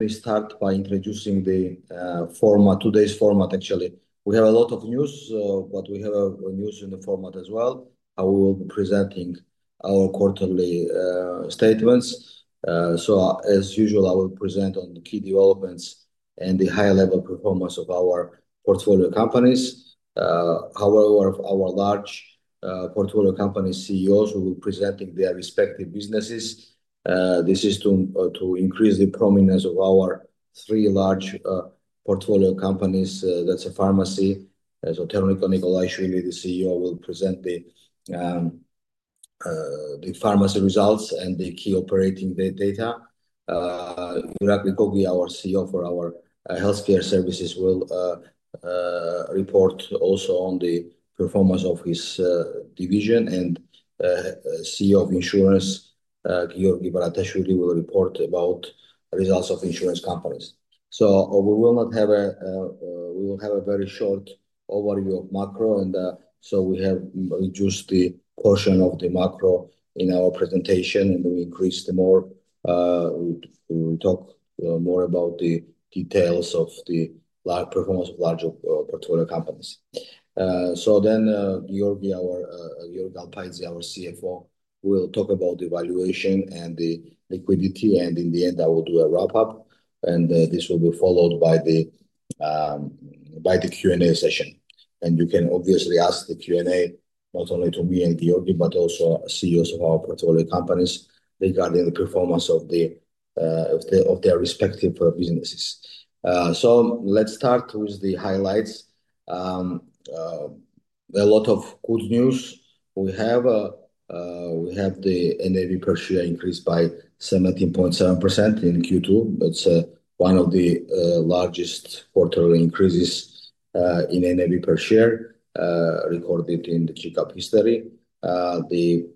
We start by introducing today's format, actually. We have a lot of news, but we have news in the format as well. I will be presenting our quarterly statements. As usual, I will present on the key developments and the high-level performance of our portfolio companies. However, our large portfolio company CEOs will be presenting their respective businesses. This is to increase the prominence of our three large portfolio companies. That's a pharmacy, so Tomika Nikolashvili, the CEO, will present the pharmacy results and the key operating data. Irakli Gogia, our CEO for our healthcare services, will report also on the performance of his division. CEO of insurance, Giorgi Berishvili, will report about the results of insurance companies. We will have a very short overview of macro. We have reduced the portion of the macro in our presentation and we talk more about the details of the performance of larger portfolio companies. Then, Giorgi Alpaidze, our CFO, will talk about the valuation and the liquidity. In the end, I will do a wrap-up. This will be followed by the Q&A session. You can obviously ask the Q&A not only to me and Giorgi, but also CEOs of our portfolio companies regarding the performance of their respective businesses. Let's start with the highlights. A lot of good news. We have the NAV per share increase by 17.7% in Q2. It's one of the largest quarterly increases in NAV per share recorded in the Georgia Capital history. The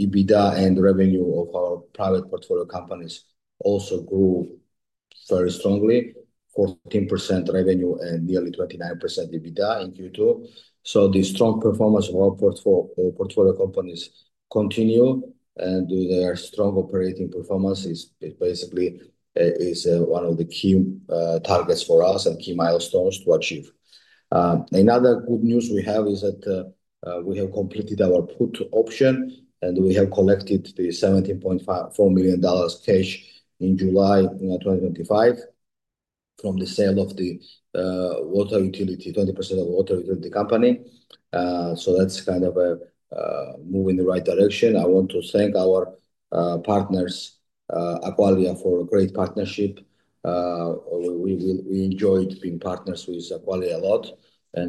EBITDA and revenue of our private portfolio companies also grew very strongly, 14% revenue and nearly 29% EBITDA in Q2. The strong performance of our portfolio companies continues. Their strong operating performance is basically one of the key targets for us and key milestones to achieve. Another good news we have is that we have completed our put option and we have collected the GEL 17.4 million cash in July 2025 from the sale of the water utility, 20% of the water utility company. That's kind of a move in the right direction. I want to thank our partners, Aqualia, for a great partnership. We enjoyed being partners with Aqualia a lot.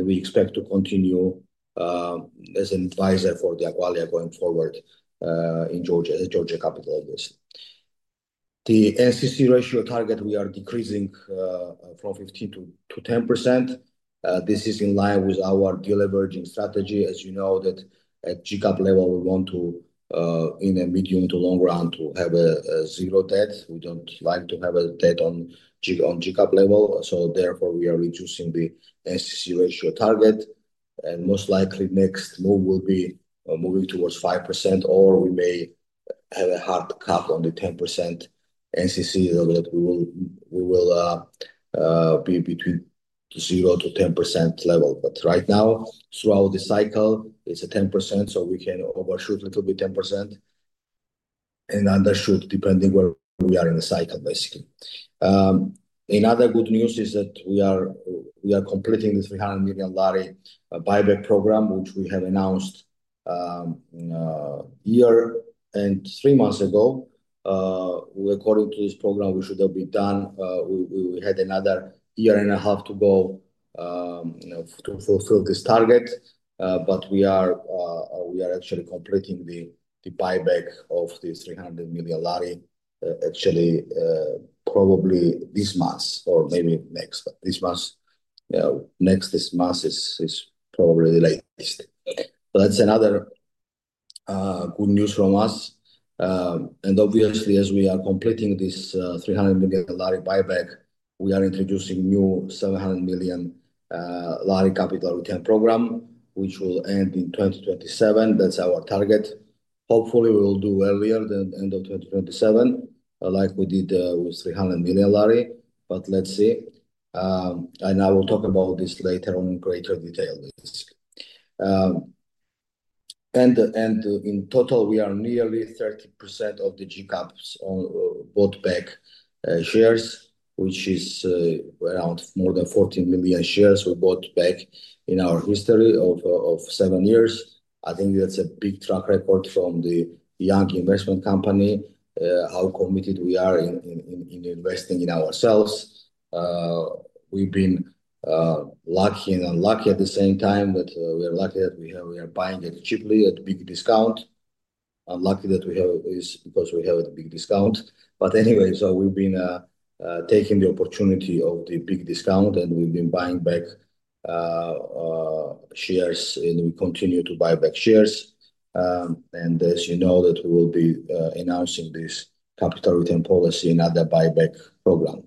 We expect to continue as an advisor for Aqualia going forward in Georgia, the Georgia Capital, obviously. The NCC ratio target we are decreasing from 15% to 10%. This is in line with our deal-averaging strategy. As you know, at Georgia Capital level, we want to, in the medium to long run, have zero debt. We don't like to have debt on Georgia Capital level. Therefore, we are reducing the NCC ratio target. Most likely, the next move will be moving towards 5% or we may have a hard cut on the 10% NCC so that we will be between 0%-10% level. Right now, throughout the cycle, it's 10%. We can overshoot a little bit 10% and undershoot depending where we are in the cycle, basically. Another good news is that we are completing this GEL 300 million buyback program, which we announced a year and three months ago. According to this program, we should have been done. We had another year and a half to go to fulfill this target, but we are actually completing the buyback of the GEL 300 million, actually, probably this month or maybe next this month. Yeah, next this month is probably the latest. That's another good news from us. Obviously, as we are completing this 300 millionGEL buyback, we are introducing a new GEL 700 million capital return program, which will end in 2027. That's our target. Hopefully, we will do earlier than the end of 2027, like we did with GEL 300 million. Let's see. I will talk about this later on in greater detail. In total, we are nearly 30% of the Georgia Capital's own bought back shares, which is around more than 14 million shares we bought back in our history of seven years. I think that's a big track record from the young investment company, how committed we are in investing in ourselves. We've been lucky and unlucky at the same time. We are lucky that we are buying it cheaply at a big discount. Unlucky that we have is because we have a big discount. Anyway, we've been taking the opportunity of the big discount and we've been buying back shares and we continue to buy back shares. As you know, we will be announcing this capital return policy and other buyback program,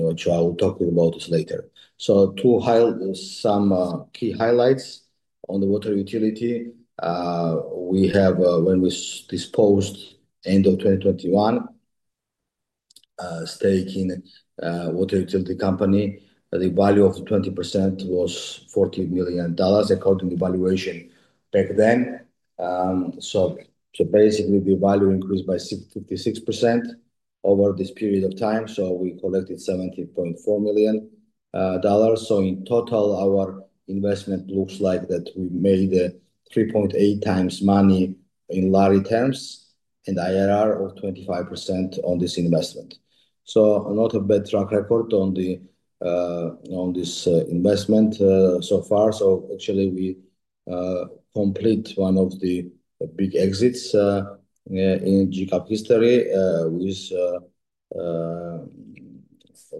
which I'll talk to you about later. To highlight some key highlights on the water utility, when we disposed end of 2021, stake in a water utility company, the value of 20% was GEL 40 million according to the valuation back then. Basically, the value increased by 56% over this period of time. We collected GEL 70.4 million. In total, our investment looks like we made 3.8x money in lari terms and IRR of 25% on this investment. Not a bad track record on this investment so far. Actually, we completed one of the big exits in Georgia Capital history,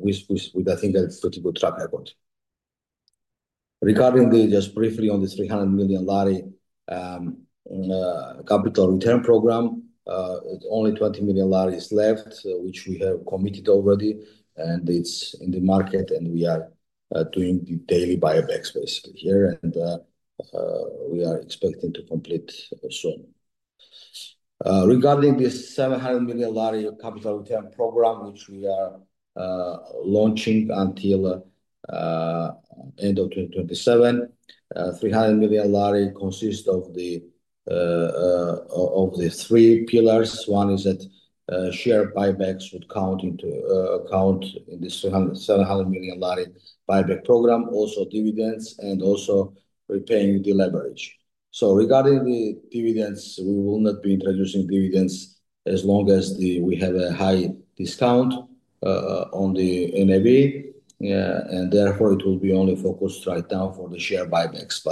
with, I think that's a pretty good track record. Regarding the, just briefly on the GEL 300 million capital return program, only GEL 20 million is left, which we have committed already. It's in the market and we are doing the daily buybacks basically here. We are expecting to complete soon. Regarding the GEL 700 million capital return program, which we are launching until end of 2027, GEL 300 million consists of the three pillars. One is that share buybacks would count in this GEL 700 million buyback program, also dividends, and also repaying the leverage. Regarding the dividends, we will not be introducing dividends as long as we have a high discount on the NAV. Therefore, it will be only focused right now for the share buybacks.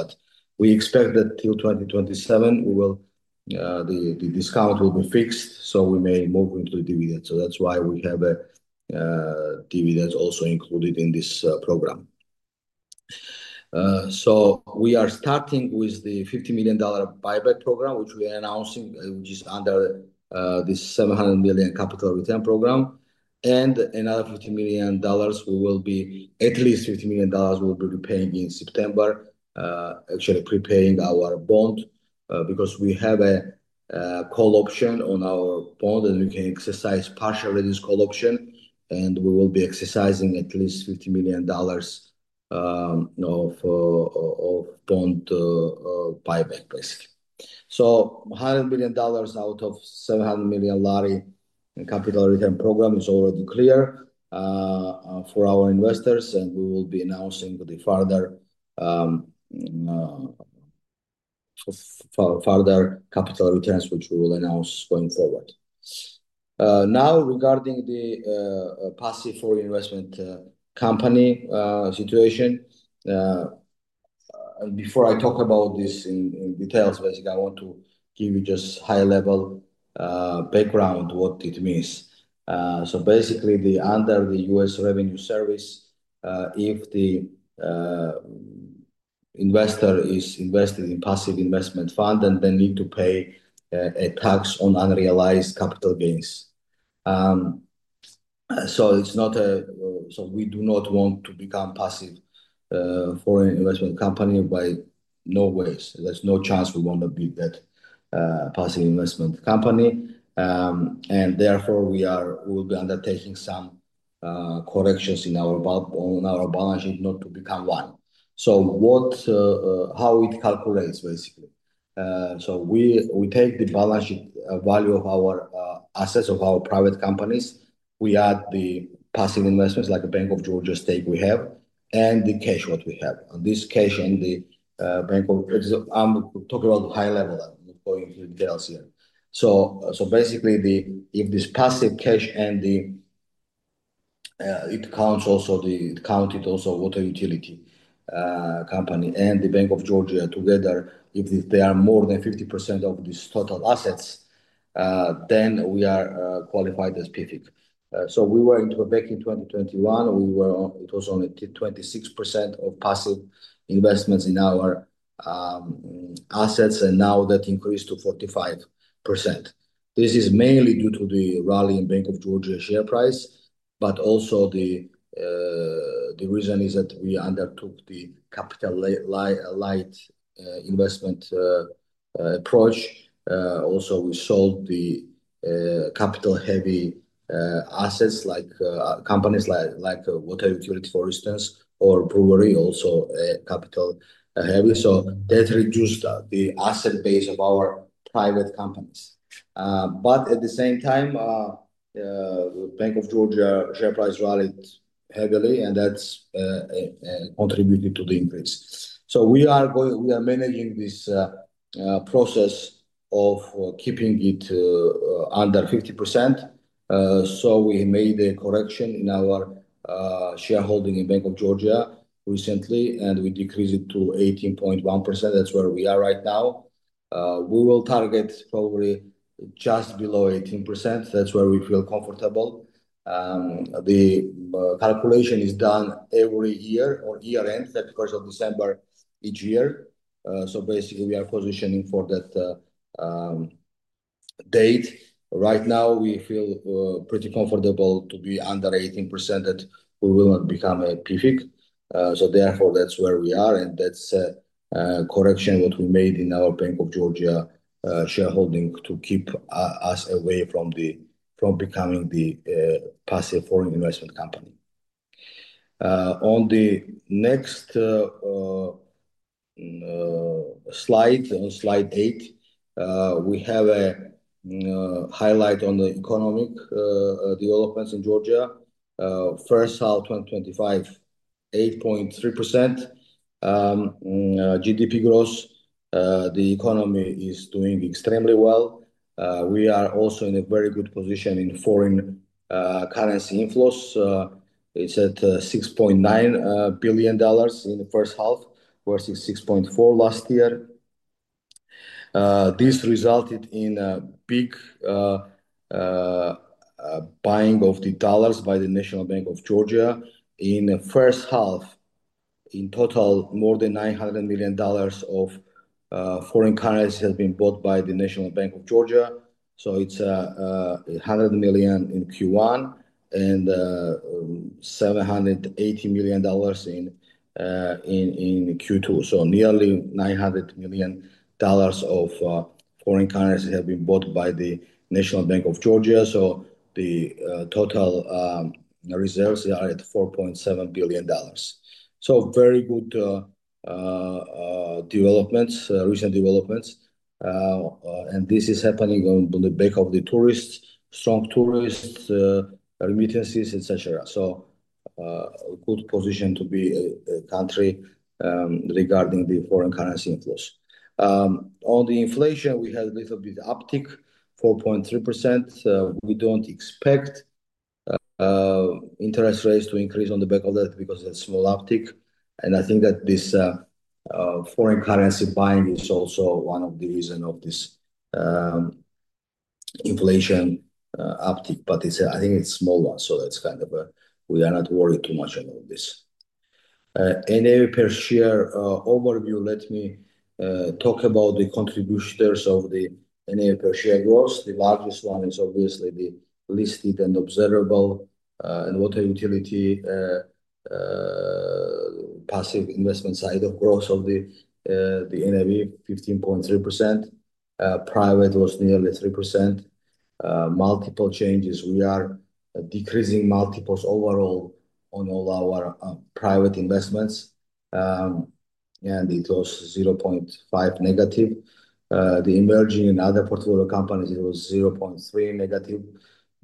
We expect that till 2027, the discount will be fixed, so we may move into the dividend. That's why we have a dividend also included in this program. We are starting with the GEL 50 million buyback program, which we are announcing, which is under this GEL 700 million capital return program. Another GEL 50 million, at least GEL 50 million, will be repaying in September, actually prepaying our bond, because we have a call option on our bond and we can exercise partially this call option. We will be exercising at least GEL 50 million of bond buyback basically. So GEL 100 million out of GEL 700 million capital return program is already clear for our investors. We will be announcing the further capital returns, which we will announce going forward. Now regarding the passive foreign investment company situation, before I talk about this in detail, I want to give you just high-level background of what it means. Basically, under the U.S. Revenue Service, if the investor is invested in passive investment fund, then need to pay a tax on unrealized capital gains. We do not want to become a passive foreign investment company by no means. There's no chance we want to be that passive investment company. Therefore, we will be undertaking some corrections in our balance sheet not to become one. How it calculates, basically, we take the balance sheet value of our assets of our private companies. We add the passive investments like the Bank of Georgia stake we have and the cash we have. This cash and the Bank of Georgia, I'm talking about the high level going into details here. Basically, if this passive cash and it counted also water utility company and the Bank of Georgia together, if they are more than 50% of these total assets, then we are qualified as PFIC. Back in 2021, it was only 26% of passive investments in our assets, and now that increased to 45%. This is mainly due to the rally in Bank of Georgia share price, but also the reason is that we undertook the capital-light investment approach. We sold capital-heavy assets like companies like water utility, for instance, or brewery, also capital-heavy. That reduced the asset base of our private companies. At the same time, Bank of Georgia share price rallied heavily, and that's contributed to the increase. We are managing this process of keeping it under 50%. We made a correction in our shareholding in Bank of Georgia recently, and we decreased it to 18.1%. That's where we are right now. We will target probably just below 18%. That's where we feel comfortable. The calculation is done every year on year-end, 31st of December each year. Basically, we are positioning for that date. Right now, we feel pretty comfortable to be under 18% that we will not become a PFIC. Therefore, that's where we are. That's a correction that we made in our Bank of Georgia shareholding to keep us away from becoming the passive foreign investment company. On the next slide, on slide eight, we have a highlight on the economic developments in Georgia. First half 2025, 8.3% GDP growth. The economy is doing extremely well. We are also in a very good position in foreign currency inflows. It's at GEL 6.9 billion in the first half versus GEL 6.4 billion last year. This resulted in a big buying of the dollars by the National Bank of Georgia. In the first half, in total, more than GEL 900 million of foreign currencies have been bought by the National Bank of Georgia. It's GEL 100 million in Q1 and GEL 780 million in Q2. Nearly GEL 900 million of foreign currencies have been bought by the National Bank of Georgia. The total reserves are at GEL 4.7 billion. Very good recent developments. This is happening on the back of strong tourists, remittances, etc. Good position to be a country regarding the foreign currency inflows. On the inflation, we had a little bit of uptick, 4.3%. We don't expect interest rates to increase on the back of that because it's a small uptick. I think that this foreign currency buying is also one of the reasons of this inflation uptick. I think it's a small one. We are not worried too much about this. NAV per share overview, let me talk about the contributors of the NAV per share growth. The largest one is obviously the listed and observable, and water utility, passive investment side of growth of the NAV, 15.3%. Private was nearly 3%. Multiple changes, we are decreasing multiples overall on all our private investments, and it was -0.5%. The emerging and other portfolio companies, it was -0.3%.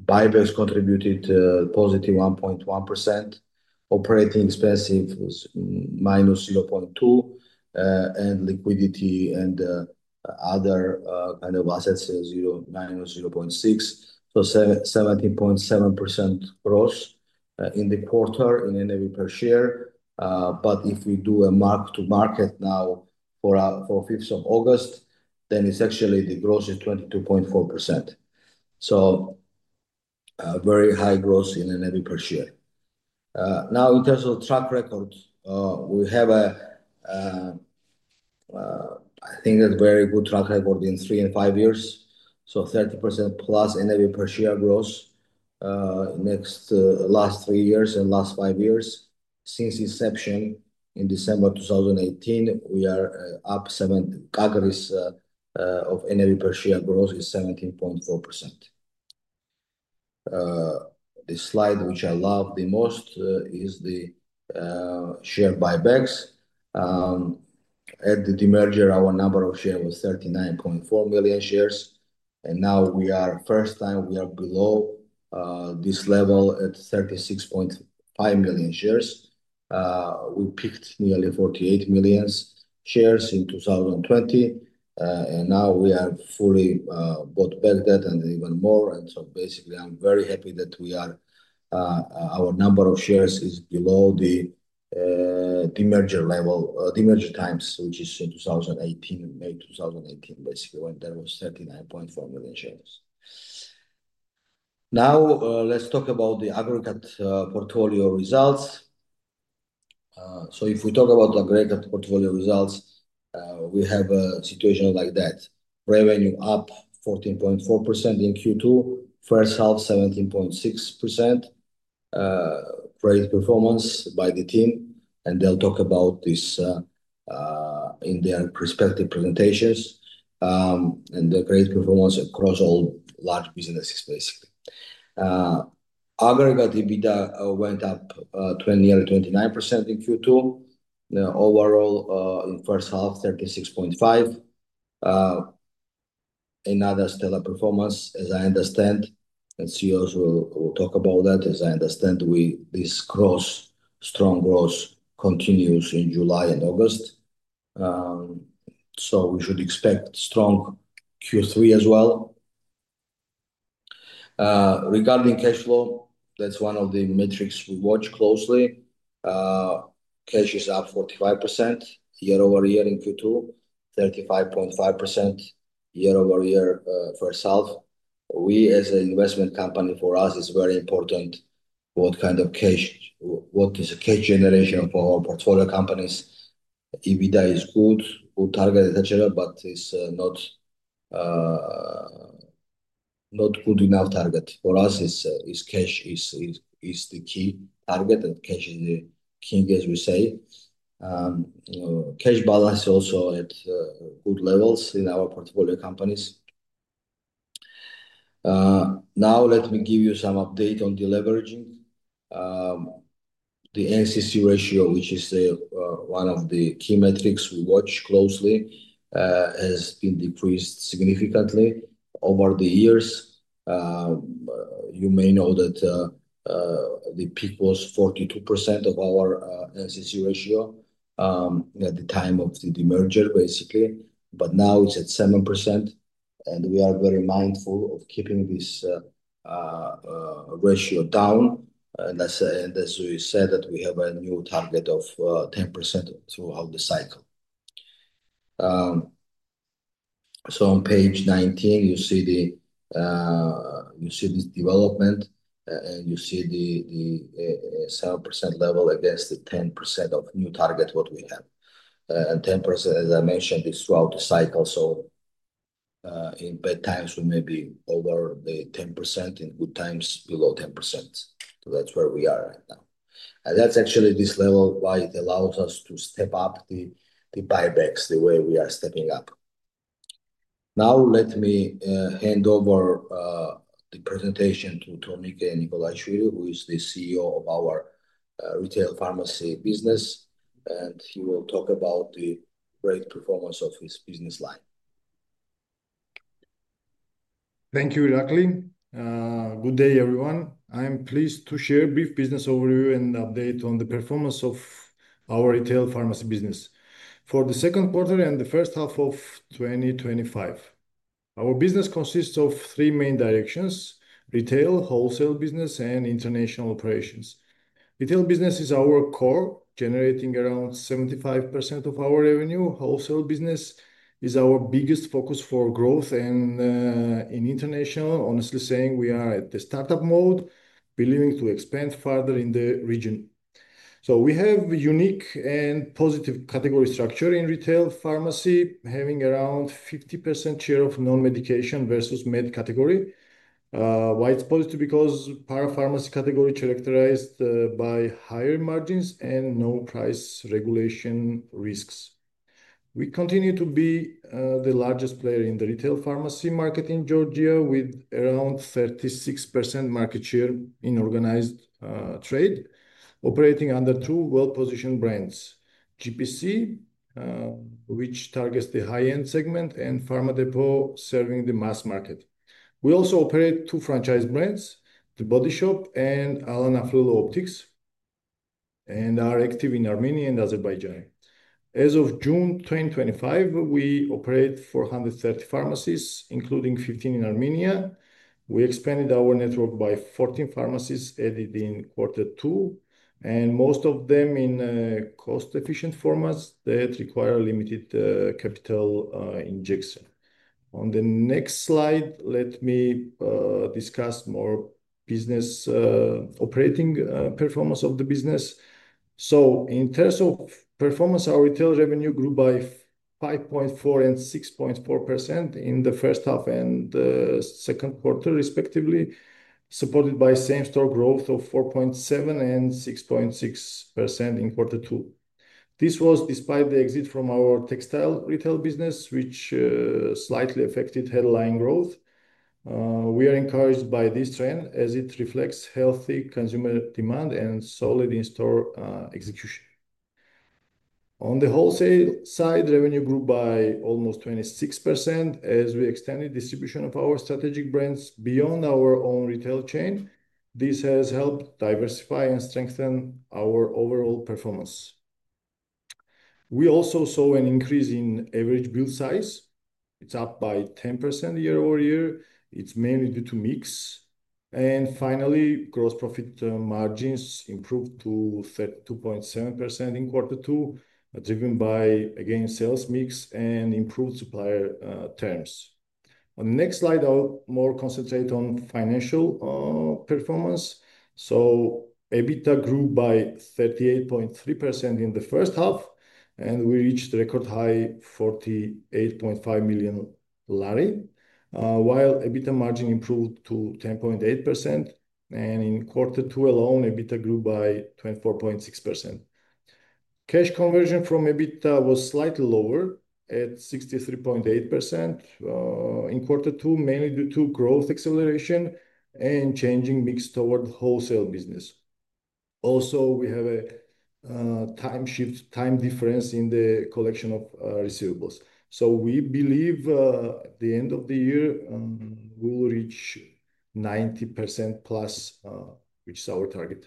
Buybacks contributed +1.1%. Operating expenses was -0.2%. Liquidity and other assets are -0.6%. So 17.7% growth in the quarter in NAV per share. If we do a mark-to-market now for 5th of August, then actually the growth is 22.4%. Very high growth in NAV per share. Now in terms of track record, we have a very good track record in three and five years. So 30%+ NAV per share growth, last three years and last five years. Since inception in December 2018, we are up seven. The package of NAV per share growth is 17.4%. The slide which I love the most is the share buybacks. At the merger, our number of shares was 39.4 million shares. Now, for the first time, we are below this level at 36.5 million shares. We peaked nearly 48 million shares in 2020. Now we have fully bought back that and even more. Basically, I'm very happy that our number of shares is below the merger level, the merger times, which is in 2018, in May 2018, when there was 39.4 million shares. Now, let's talk about the aggregate portfolio results. If we talk about the aggregate portfolio results, we have a situation like that. Revenue up 14.4% in Q2. First half, 17.6%. Great performance by the team. They'll talk about this in their respective presentations. Great performance across all large businesses. Aggregate EBITDA went up 29% in Q2. Overall, in the first half, 36.5%. Another stellar performance, as I understand, and CEOs will talk about that. As I understand, this strong growth continues in July and August. We should expect strong Q3 as well. Regarding cash flow, that's one of the metrics we watch closely. Cash is up 45% year over year in Q2, 35.5% year over year first half. We, as an investment company, for us, it's very important what kind of cash, what is the cash generation for our portfolio companies. EBITDA is good, good target, etc., but it's not a good enough target. For us, cash is the key target, and cash is the king, as we say. Cash balance is also at good levels in our portfolio companies. Now, let me give you some updates on deleveraging. The NCC ratio, which is one of the key metrics we watch closely, has been decreased significantly over the years. You may know that the peak was 42% of our NCC ratio at the time of the merger, basically. Now it's at 7%. We are very mindful of keeping this ratio down. As we said, we have a new target of 10% throughout the cycle. On page 19, you see the development, and you see the 7% level against the 10% new target we have. 10%, as I mentioned, is throughout the cycle. In bad times, we may be over the 10%. In good times, below 10%. That's where we are right now. That's actually this level why it allows us to step up the buybacks, the way we are stepping up. Now, let me hand over the presentation to Tomika Nikolashvili, who is the CEO of our retail pharmacy business. He will talk about the great performance of his business line. Thank you, Irakli. Good day, everyone. I'm pleased to share a brief business overview and update on the performance of our retail pharmacy business for the second quarter and the first half of 2025. Our business consists of three main directions: retail, wholesale business, and international operations. Retail business is our core, generating around 75% of our revenue. Wholesale business is our biggest focus for growth. In international, honestly saying, we are at the startup mode, believing to expand further in the region. We have a unique and positive category structure in retail pharmacy, having around 50% share of non-medication versus med category. Why it's positive is because parapharmacy category is characterized by higher margins and no price regulation risks. We continue to be the largest player in the retail pharmacy market in Georgia, with around 36% market share in organized trade, operating under two well-positioned brands: GPC, which targets the high-end segment, and Pharma Depot, serving the mass market. We also operate two franchise brands, The Body Shop and Alana Fluid Optics, and are active in Armenia and Azerbaijan. As of June 2025, we operate 430 pharmacies, including 15 in Armenia. We expanded our network by 14 pharmacies added in quarter two, most of them in cost-efficient formats that require limited capital injection. On the next slide, let me discuss more business operating performance of the business. In terms of performance, our retail revenue grew by 5.4% and 6.4% in the first half and second quarter, respectively, supported by same-store growth of 4.7% and 6.6% in quarter two. This was despite the exit from our textile retail business, which slightly affected headline growth. We are encouraged by this trend as it reflects healthy consumer demand and solid in-store execution. On the wholesale side, revenue grew by almost 26% as we extended distribution of our strategic brands beyond our own retail chain. This has helped diversify and strengthen our overall performance. We also saw an increase in average bill size. It's up by 10% year-over-year. It's mainly due to mix. Finally, gross profit margins improved to 32.7% in quarter two, driven by, again, sales mix and improved supplier terms. On the next slide, I'll more concentrate on financial performance. EBITDA grew by 38.3% in the first half, and we reached a record high, GEL 48.5 million, while EBITDA margin improved to 10.8%. In quarter two alone, EBITDA grew by 24.6%. Cash conversion from EBITDA was slightly lower at 63.8% in quarter two, mainly due to growth acceleration and changing mix toward the wholesale business. We have a time shift, time difference in the collection of receivables. We believe at the end of the year, we'll reach 90%+, which is our target.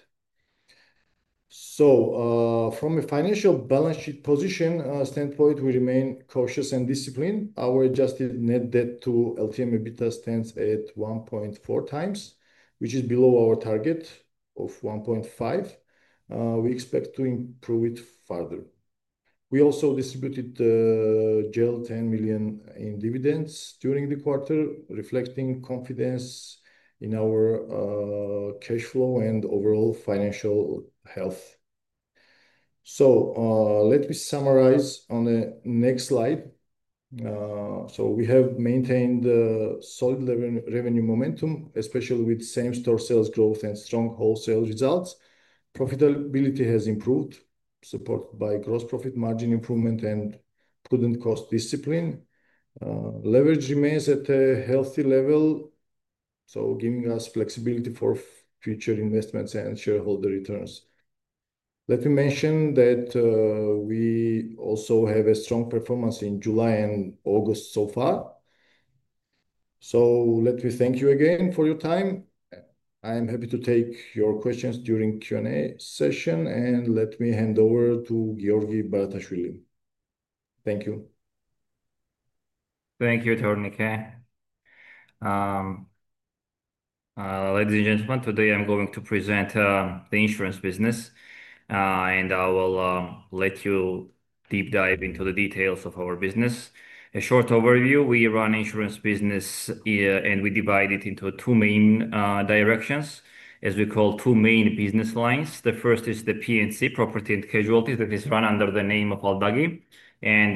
From a financial balance sheet position, standpoint, we remain cautious and disciplined. Our adjusted net debt to LTM EBITDA stands at 1.4x, which is below our target of 1.5x. We expect to improve it further. We also distributed GEL 10 million in dividends during the quarter, reflecting confidence in our cash flow and overall financial health. Let me summarize on the next slide. We have maintained a solid revenue momentum, especially with same-store sales growth and strong wholesale results. Profitability has improved, supported by gross profit margin improvement and good cost discipline. Leverage remains at a healthy level, giving us flexibility for future investments and shareholder returns. Let me mention that we also have a strong performance in July and August so far. Thank you again for your time. I am happy to take your questions during the Q&A session, and let me hand over to Giorgi Berishvili. Thank you. Thank you, Tomika. Ladies and gentlemen, today I'm going to present the insurance business, and I will let you deep dive into the details of our business. A short overview, we run an insurance business, and we divide it into two main directions, as we call two main business lines. The first is the P&C, property and casualty, that is run under the name of Aldagi, and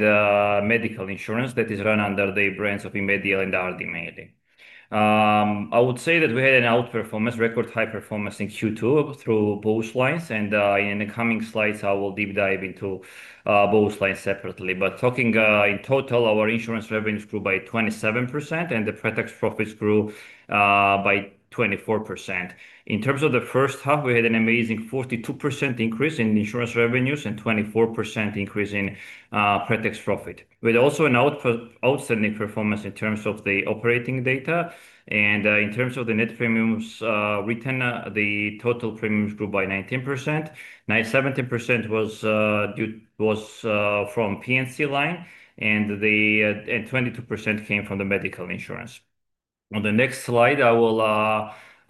medical insurance that is run under the brands of Imedi L and [Aldagi]. I would say that we had an outperformance, record high performance in Q2 through both lines. In the coming slides, I will deep dive into both lines separately. Talking in total, our insurance revenues grew by 27%, and the pre-tax profits grew by 24%. In terms of the first half, we had an amazing 42% increase in insurance revenues and 24% increase in pre-tax profit. We had also an outstanding performance in terms of the operating data. In terms of the net premiums written, the total premiums grew by 19%. 17% was due from P&C line, and 22% came from the medical insurance. On the next slide, I will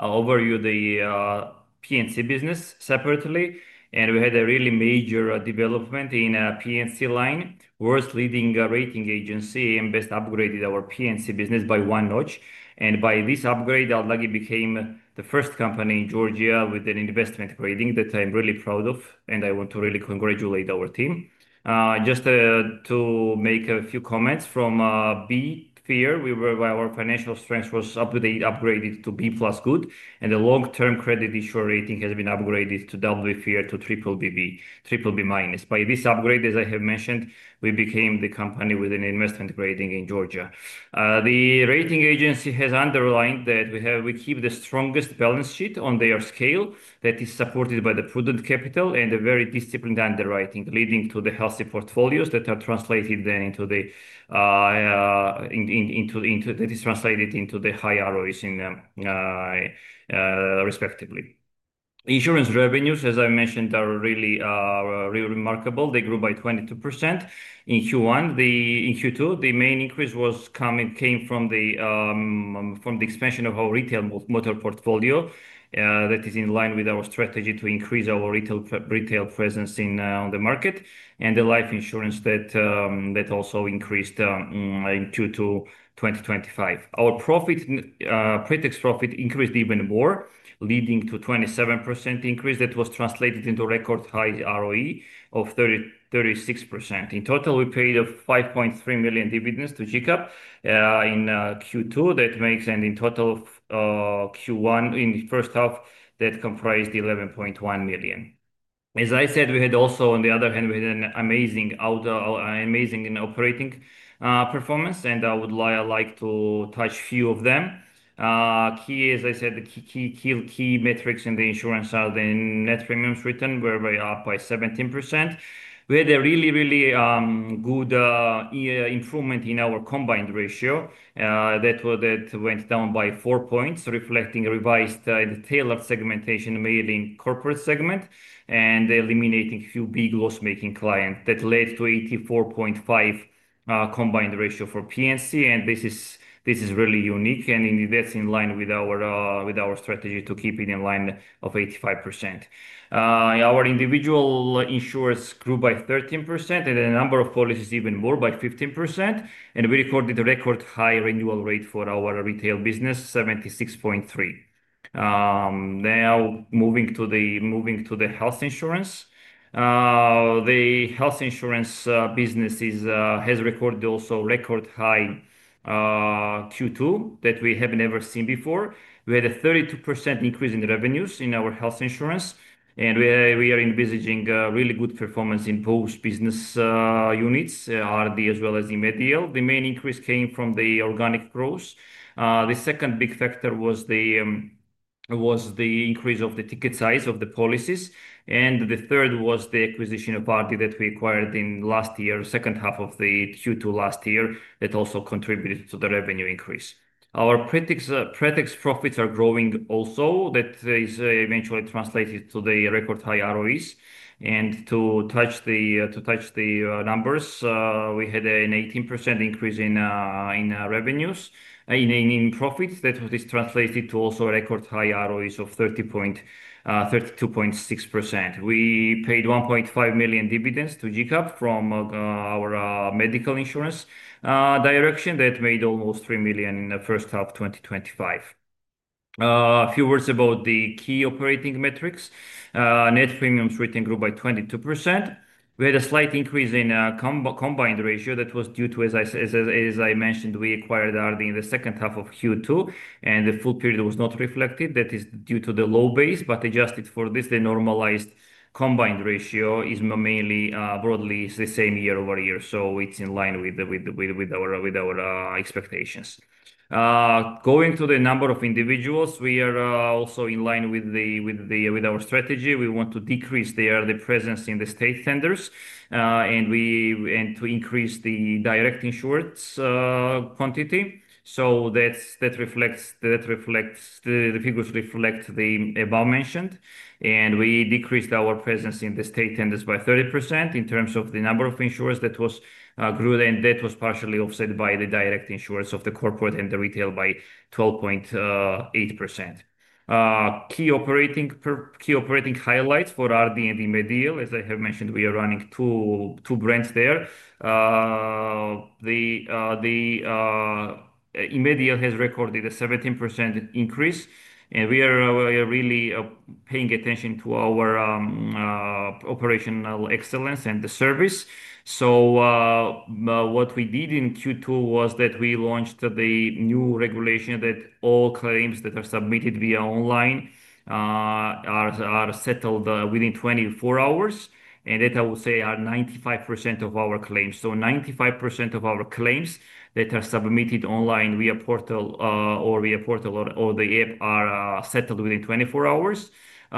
overview the P&C business separately. We had a really major development in a P&C line. A leading rating agency, AM Best, upgraded our P&C business by one notch. By this upgrade, Aldagi became the first company in Georgia with an investment-grade rating that I'm really proud of. I want to really congratulate our team. Just to make a few comments, from B (Fair), our financial strength was upgraded to B+ (Good), and the long-term credit issuer rating has been upgraded from BB (Fair) to BBB- (Good). By this upgrade, as I have mentioned, we became the company with an investment-grade rating in Georgia. The rating agency has underlined that we keep the strongest balance sheet on their scale that is supported by the prudent capital and a very disciplined underwriting, leading to the healthy portfolios that are translated then into the high ROIs, respectively. The insurance revenues, as I mentioned, are really remarkable. They grew by 22% in Q1. In Q2, the main increase came from the expansion of our retail motor portfolio, that is in line with our strategy to increase our retail presence in the market. The life insurance also increased in Q2 2025. Our pre-tax profit increased even more, leading to a 27% increase that was translated into a record high ROE of 36%. In total, we paid GEL 5.3 million dividends to GCap in Q2. That makes, in total of Q1, in the first half, that comprised GEL 11.1 million. As I said, we had also, on the other hand, we had an amazing, out of an amazing operating performance. I would like to touch a few of them. Key, as I said, the key metrics in the insurance are the net premiums written where we are up by 17%. We had a really good improvement in our combined ratio. That went down by four points, reflecting a revised tailored segmentation mainly in the corporate segment and eliminating a few big loss-making clients. That led to an 84.5% combined ratio for P&C. This is really unique. That's in line with our strategy to keep it in line of 85%. Our individual insurers grew by 13% and the number of policies even more by 15%. We recorded a record high renewal rate for our retail business, 76.3%. Now, moving to the health insurance. The health insurance business has recorded also a record high Q2 that we have never seen before. We had a 32% increase in revenues in our health insurance. We are envisaging a really good performance in both business units, R&D as well as Imedi L. The main increase came from the organic growth. The second big factor was the increase of the ticket size of the policies. The third was the acquisition of Aldagi that we acquired in last year, second half of Q2 last year, that also contributed to the revenue increase. Our pre-tax profits are growing also. That is eventually translated to the record high ROEs. To touch the numbers, we had an 18% increase in revenues, in profits. That is translated to also a record high ROEs of 32.6%. We paid GEL 1.5 million dividends to GCap from our medical insurance direction that made almost GEL 3 million in the first half of 2025. A few words about the key operating metrics. Net premiums written grew by 22%. We had a slight increase in a combined ratio that was due to, as I mentioned, we acquired Aldagi in the second half of Q2. The full period was not reflected. That is due to the low base, but adjusted for this, the normalized combined ratio is mainly, broadly, the same year-over-year. It's in line with our expectations. Going to the number of individuals, we are also in line with our strategy. We want to decrease the presence in the state tenders, and to increase the direct insurance quantity. That reflects, the figures reflect the above-mentioned. We decreased our presence in the state tenders by 30% in terms of the number of insurers that was, grew, and that was partially offset by the direct insurers of the corporate and the retail by 12.8%. Key operating highlights for Aldagi and Imedi L. As I have mentioned, we are running two brands there. Imedi L has recorded a 17% increase. We are really paying attention to our operational excellence and the service. What we did in Q2 was that we launched the new regulation that all claims that are submitted via online are settled within 24 hours. I would say 95% of our claims, so 95% of our claims that are submitted online via portal or the app, are settled within 24 hours. We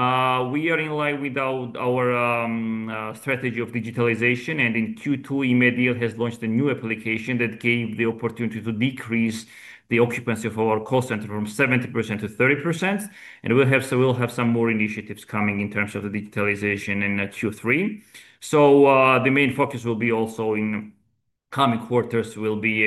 are in line with our strategy of digitalization. In Q2, Imedi L has launched a new application that gave the opportunity to decrease the occupancy of our call center from 70% to 30%. We will have some more initiatives coming in terms of the digitalization in Q3. The main focus also in the coming quarters will be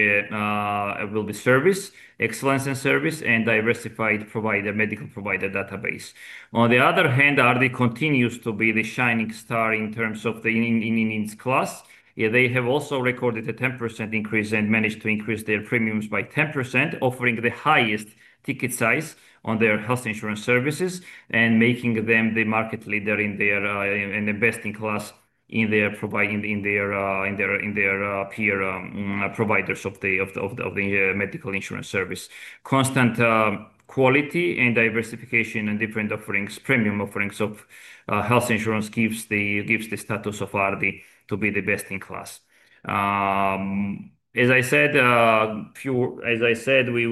service, excellence in service, and diversified provider, medical provider database. On the other hand, Aldagi continues to be the shining star in its class. They have also recorded a 10% increase and managed to increase their premiums by 10%, offering the highest ticket size on their health insurance services and making them the market leader, the best in class in their peer providers of the medical insurance service. Constant quality and diversification and different offerings, premium offerings of health insurance gives the status of Aldagi to be the best in class. As I said, we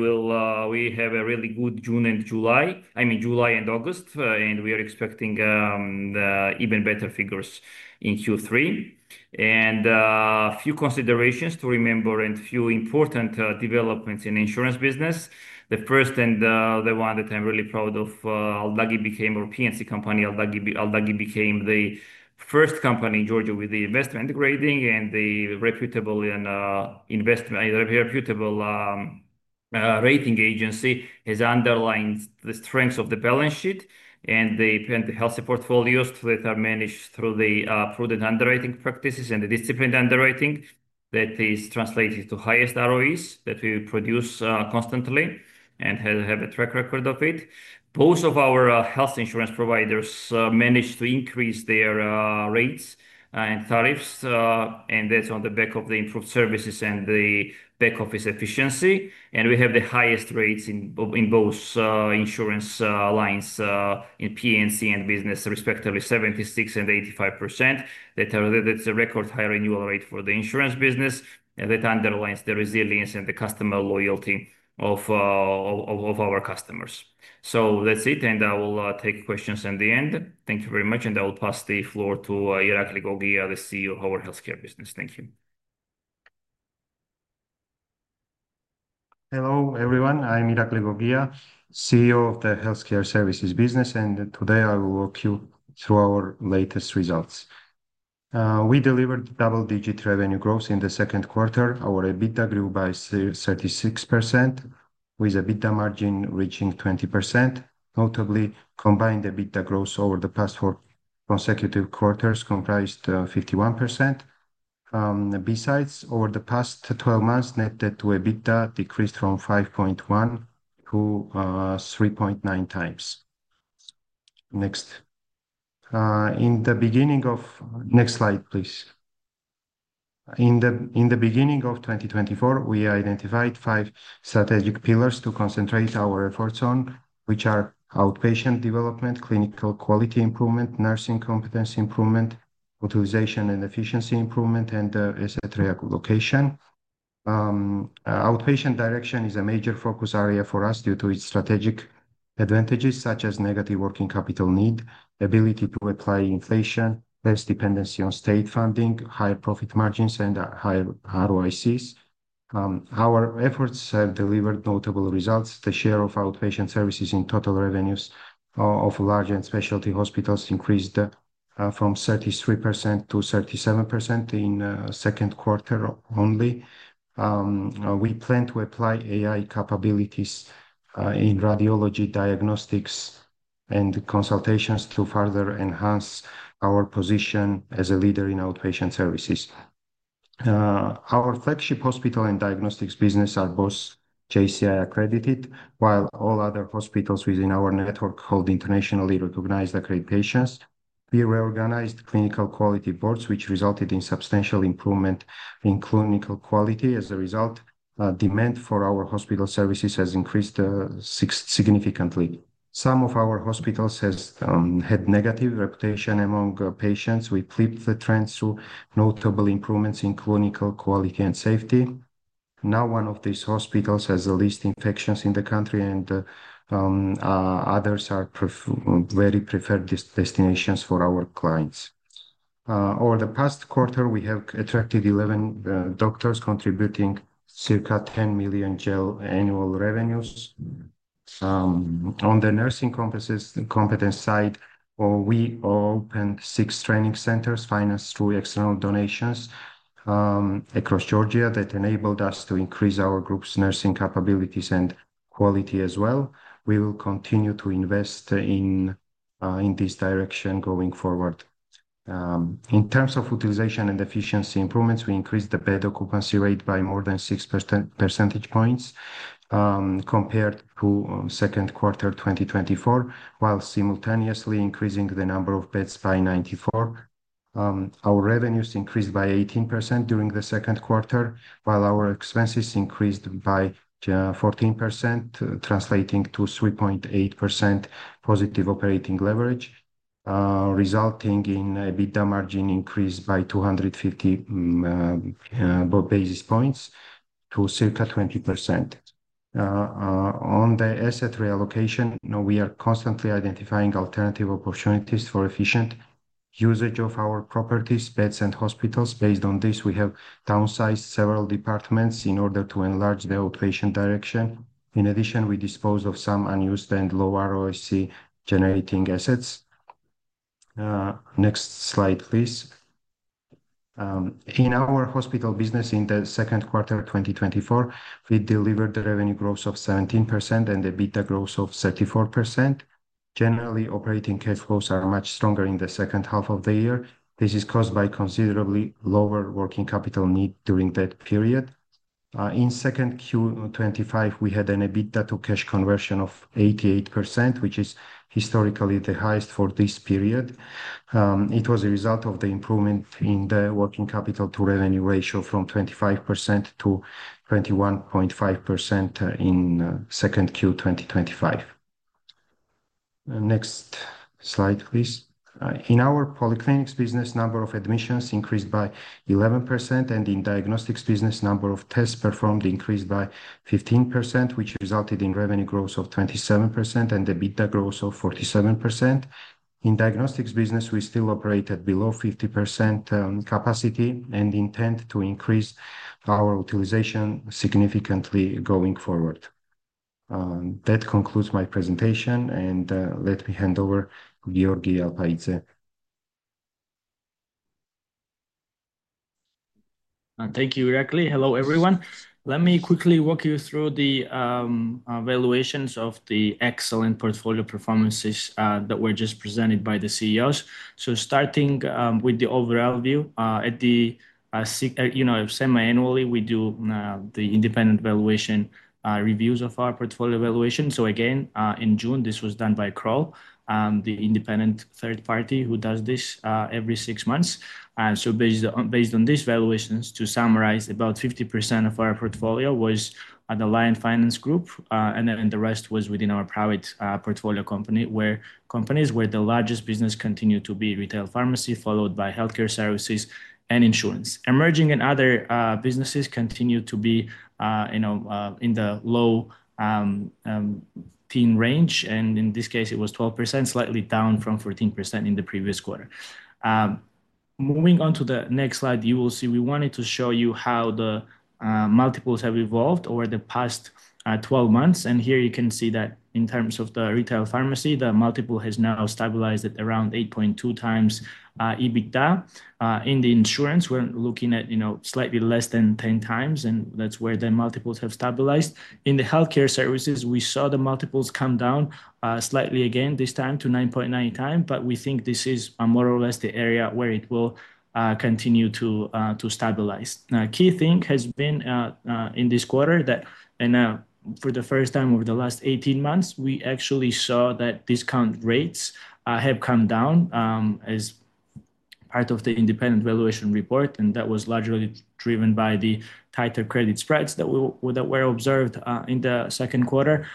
have a really good June and July, I mean July and August, and we are expecting even better figures in Q3. A few considerations to remember and a few important developments in the insurance business. The first and the one that I'm really proud of, Aldagi became our P&C company. Aldagi became the first company in Georgia with the investment grading, and the reputable investment, reputable rating agency has underlined the strengths of the balance sheet and the healthy portfolios that are managed through the prudent underwriting practices and the disciplined underwriting that is translated to highest ROEs that we produce constantly and have a track record of it. Both of our health insurance providers managed to increase their rates and tariffs, and that's on the back of the improved services and the back office efficiency. We have the highest rates in both insurance lines in P&C and business, respectively 76% and 85%. That's a record high renewal rate for the insurance business, and that underlines the resilience and the customer loyalty of our customers. That's it, and I will take questions at the end. Thank you very much, and I will pass the floor to Irakli Gogia, the CEO of our healthcare business. Thank you. Hello, everyone. I'm Irakli Gogia, CEO of the healthcare services business, and today I will walk you through our latest results. We delivered double-digit revenue growth in the second quarter. Our EBITDA grew by 36%, with EBITDA margin reaching 20%. Notably, combined EBITDA growth over the past four consecutive quarters comprised 51%. Besides, over the past 12 months, net debt to EBITDA decreased from 5.1x-3.9x. Next slide, please. In the beginning of 2024, we identified five strategic pillars to concentrate our efforts on, which are outpatient development, clinical quality improvement, nursing competence improvement, utilization and efficiency improvement, and asset location. Outpatient direction is a major focus area for us due to its strategic advantages such as negative working capital need, ability to apply inflation, less dependency on state funding, higher profit margins, and higher ROICs. Our efforts have delivered notable results. The share of outpatient services in total revenues of large and specialty hospitals increased from 33% to 37% in the second quarter only. We plan to apply AI capabilities in radiology diagnostics and consultations to further enhance our position as a leader in outpatient services. Our flagship hospital and diagnostics business are both JCI accredited, while all other hospitals within our network hold internationally recognized accreditations. We reorganized clinical quality boards, which resulted in substantial improvement in clinical quality. As a result, demand for our hospital services has increased significantly. Some of our hospitals have had a negative reputation among patients. We flipped the trend through notable improvements in clinical quality and safety. Now, one of these hospitals has the least infections in the country, and others are very preferred destinations for our clients. Over the past quarter, we have attracted 11 doctors contributing to circa GEL 10 million annual revenues. On the nursing competence side, we opened six training centers financed through external donations across Georgia that enabled us to increase our group's nursing capabilities and quality as well. We will continue to invest in this direction going forward. In terms of utilization and efficiency improvements, we increased the bed occupancy rate by more than 6 percentage points compared to the second quarter of 2024, while simultaneously increasing the number of beds by 94%. Our revenues increased by 18% during the second quarter, while our expenses increased by 14%, translating to +3.8% operating leverage, resulting in EBITDA margin increased by 250 basis points to circa 20%. On the asset reallocation, we are constantly identifying alternative opportunities for efficient usage of our properties, beds, and hospitals. Based on this, we have downsized several departments in order to enlarge the operation direction. In addition, we dispose of some unused and low ROIC generating assets. Next slide, please. In our hospital business in the second quarter of 2024, we delivered the revenue growth of 17% and the EBITDA growth of 34%. Generally, operating cash flows are much stronger in the second half of the year. This is caused by considerably lower working capital need during that period. In second Q2 2025, we had an EBITDA to cash conversion of 88%, which is historically the highest for this period. It was a result of the improvement in the working capital to revenue ratio from 25%-21.5% in second Q2 2025. Next slide, please. In our polyclinics business, the number of admissions increased by 11%, and in the diagnostics business, the number of tests performed increased by 15%, which resulted in revenue growth of 27% and EBITDA growth of 47%. In the diagnostics business, we still operate at below 50% capacity and intend to increase our utilization significantly going forward. That concludes my presentation, and let me hand over to Giorgi Alpaidze. Thank you, Irakli. Hello, everyone. Let me quickly walk you through the evaluations of the excellent portfolio performances that were just presented by the CEOs. Starting with the overall view, at the semi-annually, we do the independent evaluation reviews of our portfolio valuation. Again, in June, this was done by Crowe, the independent third party who does this every six months. Based on these valuations, to summarize, about 50% of our portfolio was at the Alliance Finance Group, and the rest was within our private portfolio company, where the largest business continued to be retail pharmacy, followed by healthcare services and insurance. Emerging and other businesses continue to be in the low 15% range, and in this case, it was 12%, slightly down from 14% in the previous quarter. Moving on to the next slide, you will see we wanted to show you how the multiples have evolved over the past 12 months. Here you can see that in terms of the retail pharmacy, the multiple has now stabilized at around 8.2x EBITDA. In the insurance, we're looking at slightly less than 10x, and that's where the multiples have stabilized. In the healthcare services, we saw the multiples come down slightly again, this time to 9.9x, but we think this is more or less the area where it will continue to stabilize. A key thing has been in this quarter that, and for the first time over the last 18 months, we actually saw that discount rates have come down as part of the independent valuation report, and that was largely driven by the tighter credit spreads that were observed in the second quarter.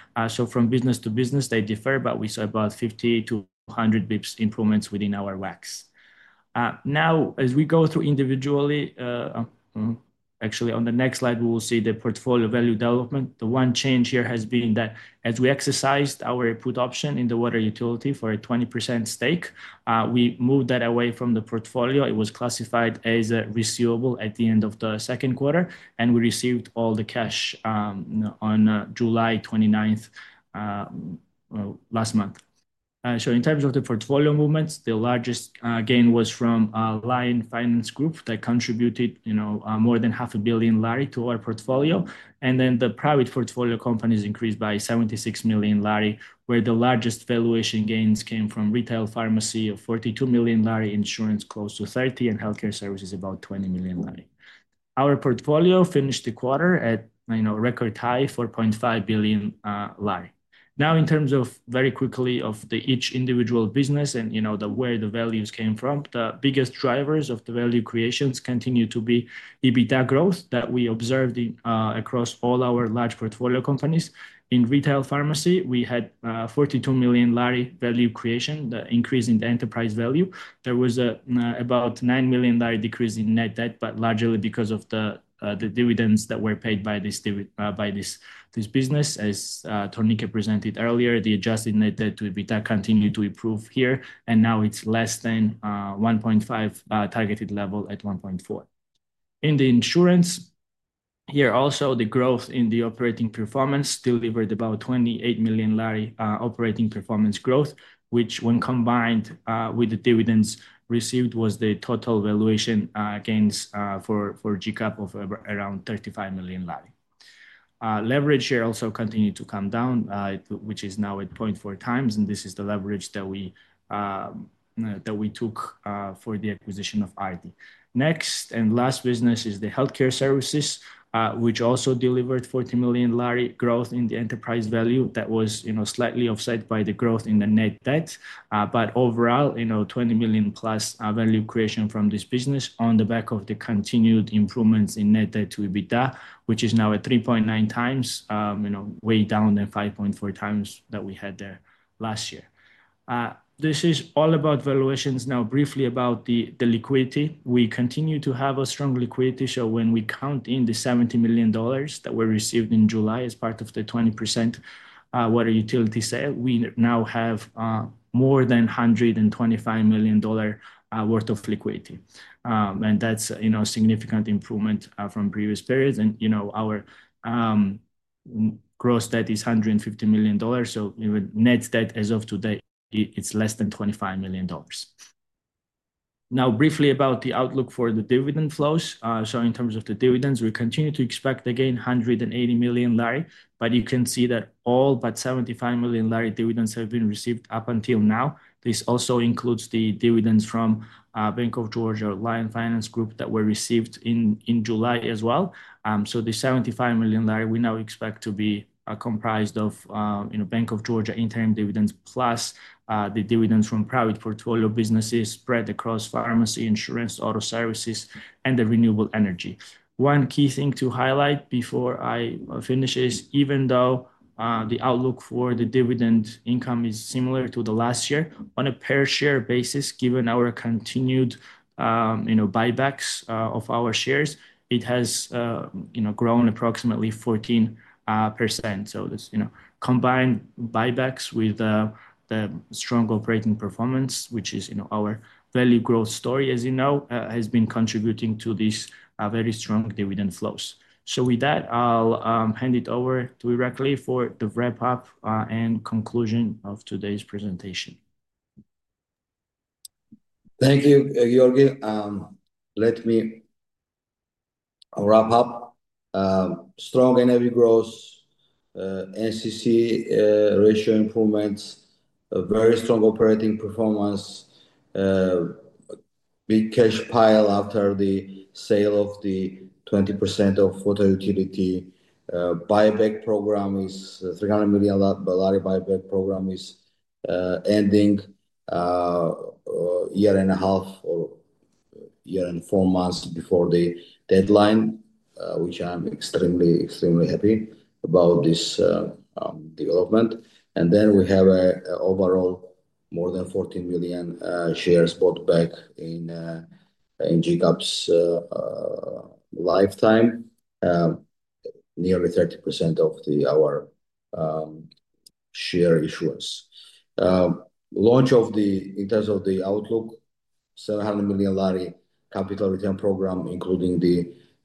From business to business, they differ, but we saw about 50-100 bps improvements within our WACs. As we go through individually, actually on the next slide, we will see the portfolio value development. The one change here has been that as we exercised our put option in the water utility for a 20% stake, we moved that away from the portfolio. It was classified as a receivable at the end of the second quarter, and we received all the cash on July 29 last month. In terms of the portfolio movements, the largest gain was from Alliance Finance Group that contributed more than GEL 500 million to our portfolio. The private portfolio companies increased by GEL 76 million, where the largest valuation gains came from retail pharmacy of GEL 42 million, insurance close to GEL 30 million, and healthcare services about GEL 20 million. Our portfolio finished the quarter at a record high, GEL 4.5 billion. In terms of each individual business and where the values came from, the biggest drivers of the value creations continue to be EBITDA growth that we observed across all our large portfolio companies. In retail pharmacy, we had GEL 42 million value creation, the increase in the enterprise value. There was about GEL 9 million decrease in net debt, largely because of the dividends that were paid by this business. As Tomika presented earlier, the adjusted net debt to EBITDA continued to improve here, and now it's less than the 1.5x targeted level at 1.4x. In insurance, the growth in the operating performance delivered about GEL 28 million operating performance growth, which when combined with the dividends received was the total valuation gains for Georgia Capital of around GEL 35 million. Leverage share also continued to come down, which is now at 0.4x, and this is the leverage that we took for the acquisition of Aldagi. The last business is healthcare services, which also delivered GEL 40 million growth in the enterprise value that was slightly offset by the growth in the net debt. Overall, GEL 20 million+ value creation from this business on the back of the continued improvements in net debt to EBITDA, which is now at 3.9x, way down from 5.4 x that we had there last year. This is all about valuations. Briefly about the liquidity, we continue to have strong liquidity. When we count in the GEL $70 million that were received in July as part of the 20% water utility sale, we now have more than GEL 125 million worth of liquidity. That's a significant improvement from previous periods. Our gross debt is GEL 150 million. Net debt as of today is less than GEL 25 million. Briefly about the outlook for the dividend flows, in terms of the dividends, we continue to expect again GEL 180 million, but you can see that all but GEL 75 million dividends have been received up until now. This also includes the dividends from Bank of Georgia Alliance Finance Group that were received in July as well. The GEL 75 million we now expect to be comprised of Bank of Georgia interim dividends plus the dividends from private portfolio businesses spread across pharmacy, insurance, auto services, and renewable energy. One key thing to highlight before I finish is even though the outlook for the dividend income is similar to last year, on a per-share basis, given our continued buybacks of our shares, it has grown approximately 14%. This, combined buybacks with the strong operating performance, which is our value growth story, as you know, has been contributing to these very strong dividend flows. With that, I'll hand it over to Irakli for the wrap-up and conclusion of today's presentation. Thank you, Giorgi. Let me wrap up. Strong energy growth, NCC ratio improvements, very strong operating performance, big cash pile after the sale of the 20% of water utility. Buyback program is GEL 300 million buyback program is ending a year and a half or a year and four months before the deadline, which I'm extremely, extremely happy about this development. We have an overall more than 14 million shares bought back in GCap's lifetime, nearly 30% of our share issuance. In terms of the outlook, GEL 700 million capital return program, including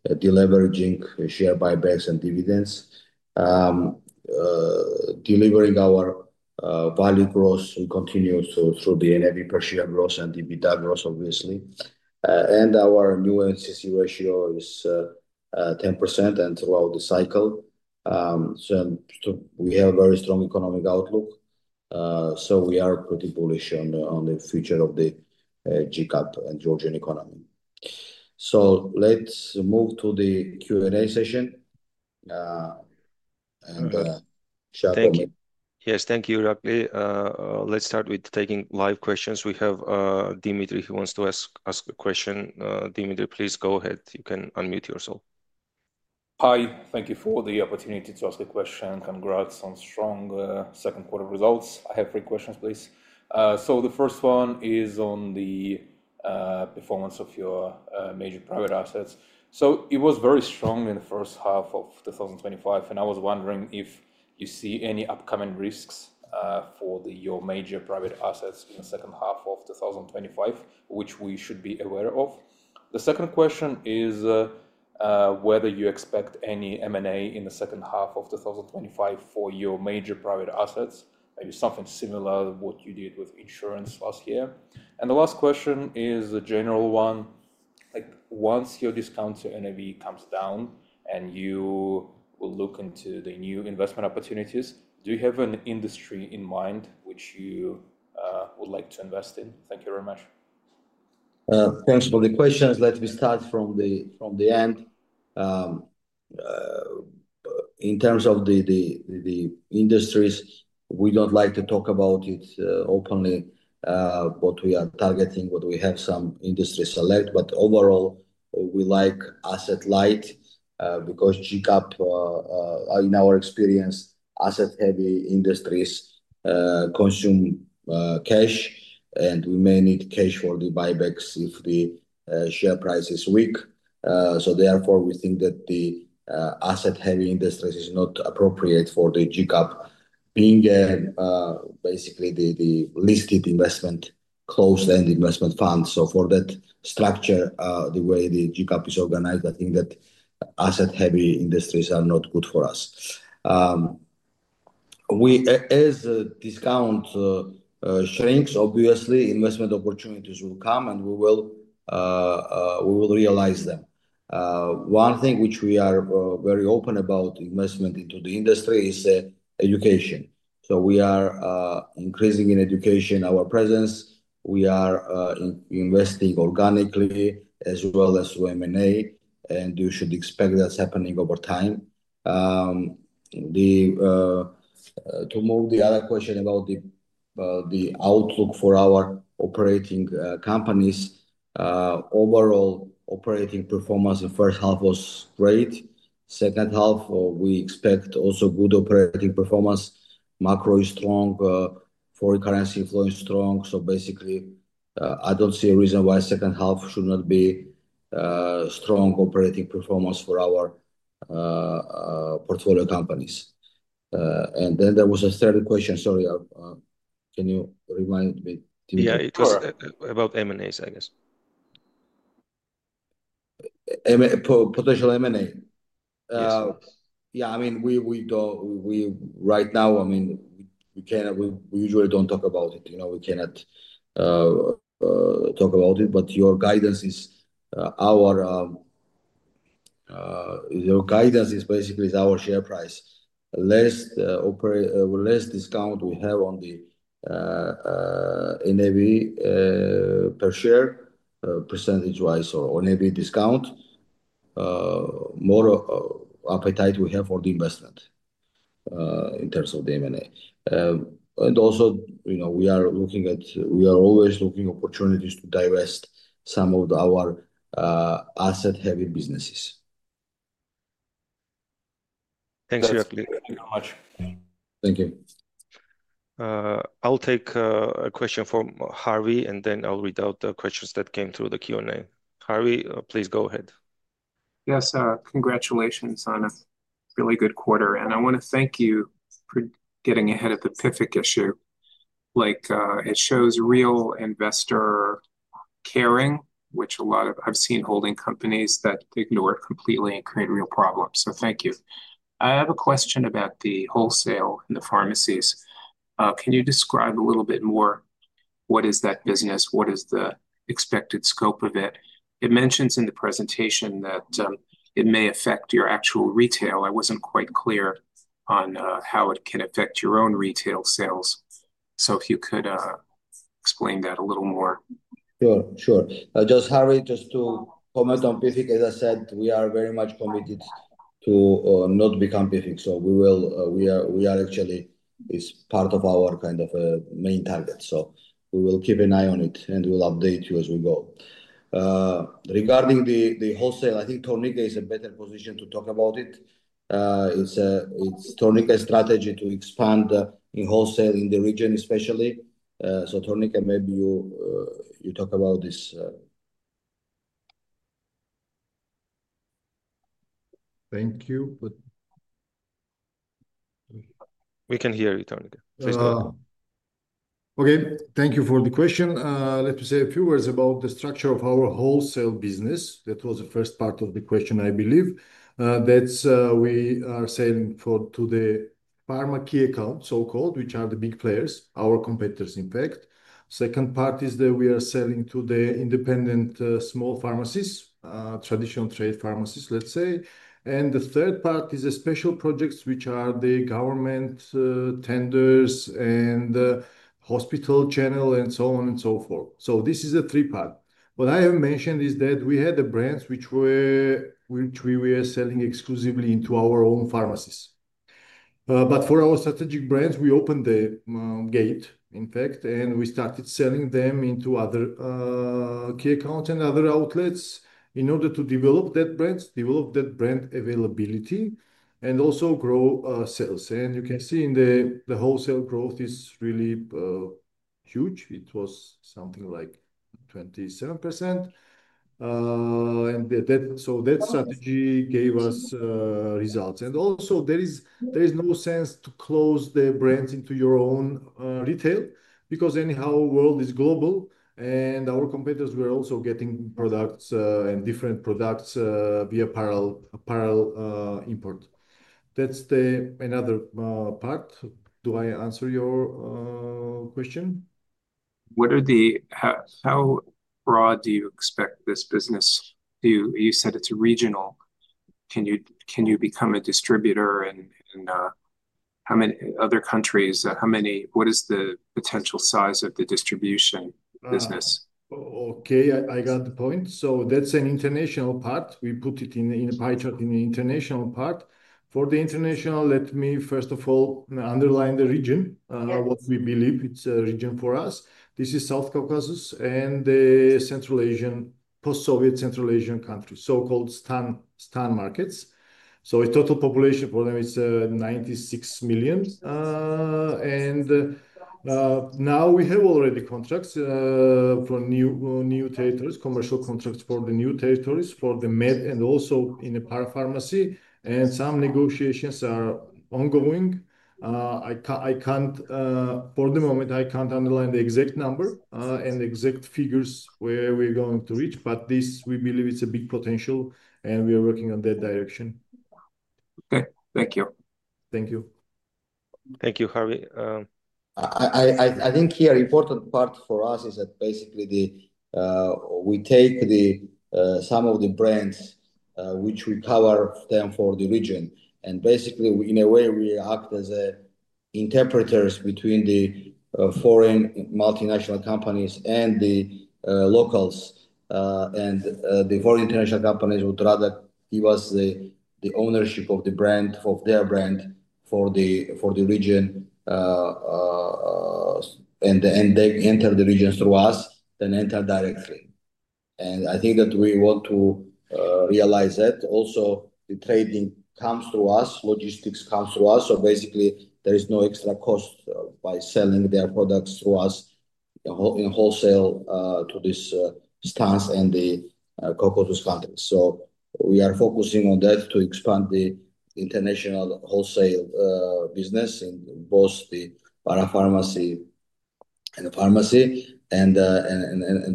deleveraging, share buybacks, and dividends, delivering our value growth continues through the NAV per share growth and EBITDA growth, obviously. Our new NCC ratio is 10% throughout the cycle. We have a very strong economic outlook. We are pretty bullish on the future of the GCap and Georgian economy. Let's move to the Q&A session. I'm going to share a question. Thank you. Yes, thank you, Irakli. Let's start with taking live questions. We have [Dimitri] who wants to ask a question. [Dimitri], please go ahead. You can unmute yourself. Hi. Thank you for the opportunity to ask the question. Congrats on strong second quarter results. I have three questions, please. The first one is on the performance of your major private assets. It was very strong in the first half of 2025, and I was wondering if you see any upcoming risks for your major private assets in the second half of 2025, which we should be aware of. The second question is whether you expect any M&A in the second half of 2025 for your major private assets, maybe something similar to what you did with insurance last year. The last question is a general one. Once your discount to NAV comes down and you will look into the new investment opportunities, do you have an industry in mind which you would like to invest in? Thank you very much. Thanks for the questions. Let me start from the end. In terms of the industries, we don't like to talk about it openly, what we are targeting, but we have some industry select. Overall, we like asset-light because Georgia Capital, in our experience, asset-heavy industries consume cash, and we may need cash for the buybacks if the share price is weak. Therefore, we think that the asset-heavy industries are not appropriate for Georgia Capital, being basically the listed investment, closed-end investment fund. For that structure, the way Georgia Capital is organized, I think that asset-heavy industries are not good for us. As discount shrinks, obviously, investment opportunities will come, and we will realize them. One thing which we are very open about investment into the industry is education. We are increasing in education, our presence. We are investing organically, as well as through M&A, and you should expect that's happening over time. To move to the other question about the outlook for our operating companies, overall operating performance in the first half was great. Second half, we expect also good operating performance. Macro is strong. Foreign currency flow is strong. I don't see a reason why the second half should not be strong operating performance for our portfolio companies. There was a third question. Sorry, can you remind me? Yeah, it's about M&A, I guess. Potential M&A. We don't, right now, we usually don't talk about it. You know, we cannot talk about it, but your guidance is basically our share price. Less discount we have on the NAV per share, percentage-wise, or NAV discount, more appetite we have for the investment in terms of the M&A. Also, we are always looking at opportunities to divest some of our asset-heavy businesses. Thanks, Irakli. Thank you so much. Thank you. I'll take a question from [Harvey], and then I'll read out the questions that came through the Q&A. [Harvey], please go ahead. Yes, sir. Congratulations on a really good quarter. I want to thank you for getting ahead of the PFIC issue. It shows real investor caring, which a lot of I've seen holding companies ignore completely and create real problems. Thank you. I have a question about the wholesale and the pharmacies. Can you describe a little bit more? What is that business? What is the expected scope of it? It mentions in the presentation that it may affect your actual retail. I wasn't quite clear on how it can affect your own retail sales. If you could explain that a little more. Sure. Just Harvey, just to comment on PFIC, as I said, we are very much committed to not become PFIC. We are actually, it's part of our kind of main target. We will keep an eye on it and we'll update you as we go. Regarding the wholesale, I think Tomika is in a better position to talk about it. It's Tomika's strategy to expand in wholesale in the region, especially. Tomika, maybe you talk about this. Thank you. We can hear you, Tomika. Please go ahead. Okay. Thank you for the question. Let me say a few words about the structure of our wholesale business. That was the first part of the question, I believe. We are selling to the pharmacy accounts, so-called, which are the big players, our competitors, in fact. The second part is that we are selling to the independent small pharmacies, traditional trade pharmacies, let's say. The third part is the special projects, which are the government tenders and hospital channel, and so on and so forth. This is a three-part. What I have mentioned is that we had the brands which we were selling exclusively into our own pharmacies. For our strategic brands, we opened the gate, in fact, and we started selling them into other key accounts and other outlets in order to develop that brand, develop that brand availability, and also grow sales. You can see in the wholesale growth is really huge. It was something like 27%. That strategy gave us results. There is no sense to close the brands into your own retail because anyhow, the world is global, and our competitors were also getting products and different products via parallel import. That's another part. Do I answer your question? What are the, how broad do you expect this business? You said it's regional. Can you become a distributor? In how many other countries? What is the potential size of the distribution business? Okay, I got the point. That's an international part. We put it in a pie chart in the international part. For the international, let me first of all underline the region, what we believe it's a region for us. This is South Caucasus and the Central Asian, post-Soviet Central Asian countries, so-called STAN markets. The total population for them is 96 million. Now we have already contracts for new territories, commercial contracts for the new territories, for the med, and also in the parapharmacy. Some negotiations are ongoing. I can't, for the moment, underline the exact number and the exact figures where we're going to reach, but this we believe is a big potential, and we are working on that direction. Okay, thank you. Thank you. Thank you, Harvey. I think here, the important part for us is that basically we take some of the brands which we cover them for the region. Basically, in a way, we act as interpreters between the foreign multinational companies and the locals. The foreign international companies would rather give us the ownership of the brand, of their brand for the region, and they enter the region through us than enter directly. I think that we want to realize that. Also, the trading comes through us, logistics comes through us. There is no extra cost by selling their products through us in wholesale to these STANs and the Caucasus countries. We are focusing on that to expand the international wholesale business in both the parapharmacy and the pharmacy, and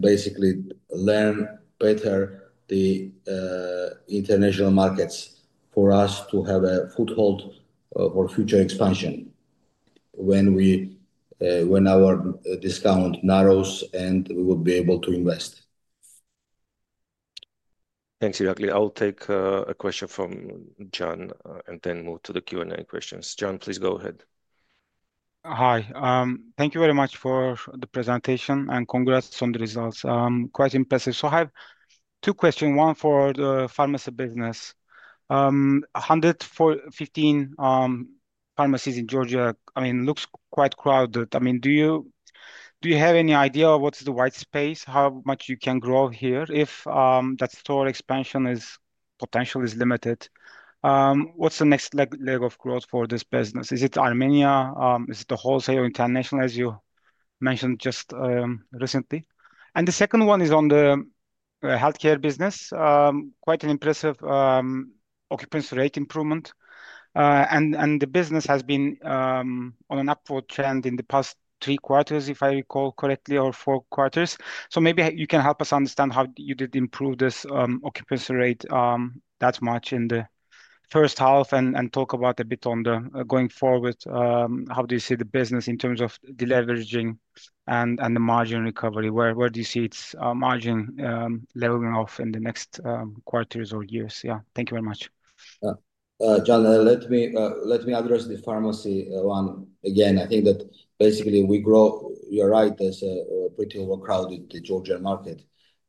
basically learn better the international markets for us to have a foothold for future expansion when our discount narrows and we will be able to invest. Thanks, Irakli. I'll take a question from John and then move to the Q&A questions. [John], please go ahead. Hi. Thank you very much for the presentation and congrats on the results. I'm quite impressed. I have two questions. One for the pharmacy business. 115 pharmacies in Georgia, I mean, it looks quite crowded. Do you have any idea of what's the white space, how much you can grow here if that store expansion potential is limited? What's the next leg of growth for this business? Is it Armenia? Is it the wholesale or international, as you mentioned just recently? The second one is on the healthcare business. Quite an impressive occupancy rate improvement. The business has been on an upward trend in the past three quarters, if I recall correctly, or four quarters. Maybe you can help us understand how you did improve this occupancy rate that much in the first half and talk a bit about going forward. How do you see the business in terms of deleveraging and the margin recovery? Where do you see its margin leveling off in the next quarters or years? Thank you very much. Yeah. John, let me address the pharmacy one again. I think that basically we grow, you're right, as a pretty overcrowded Georgian market.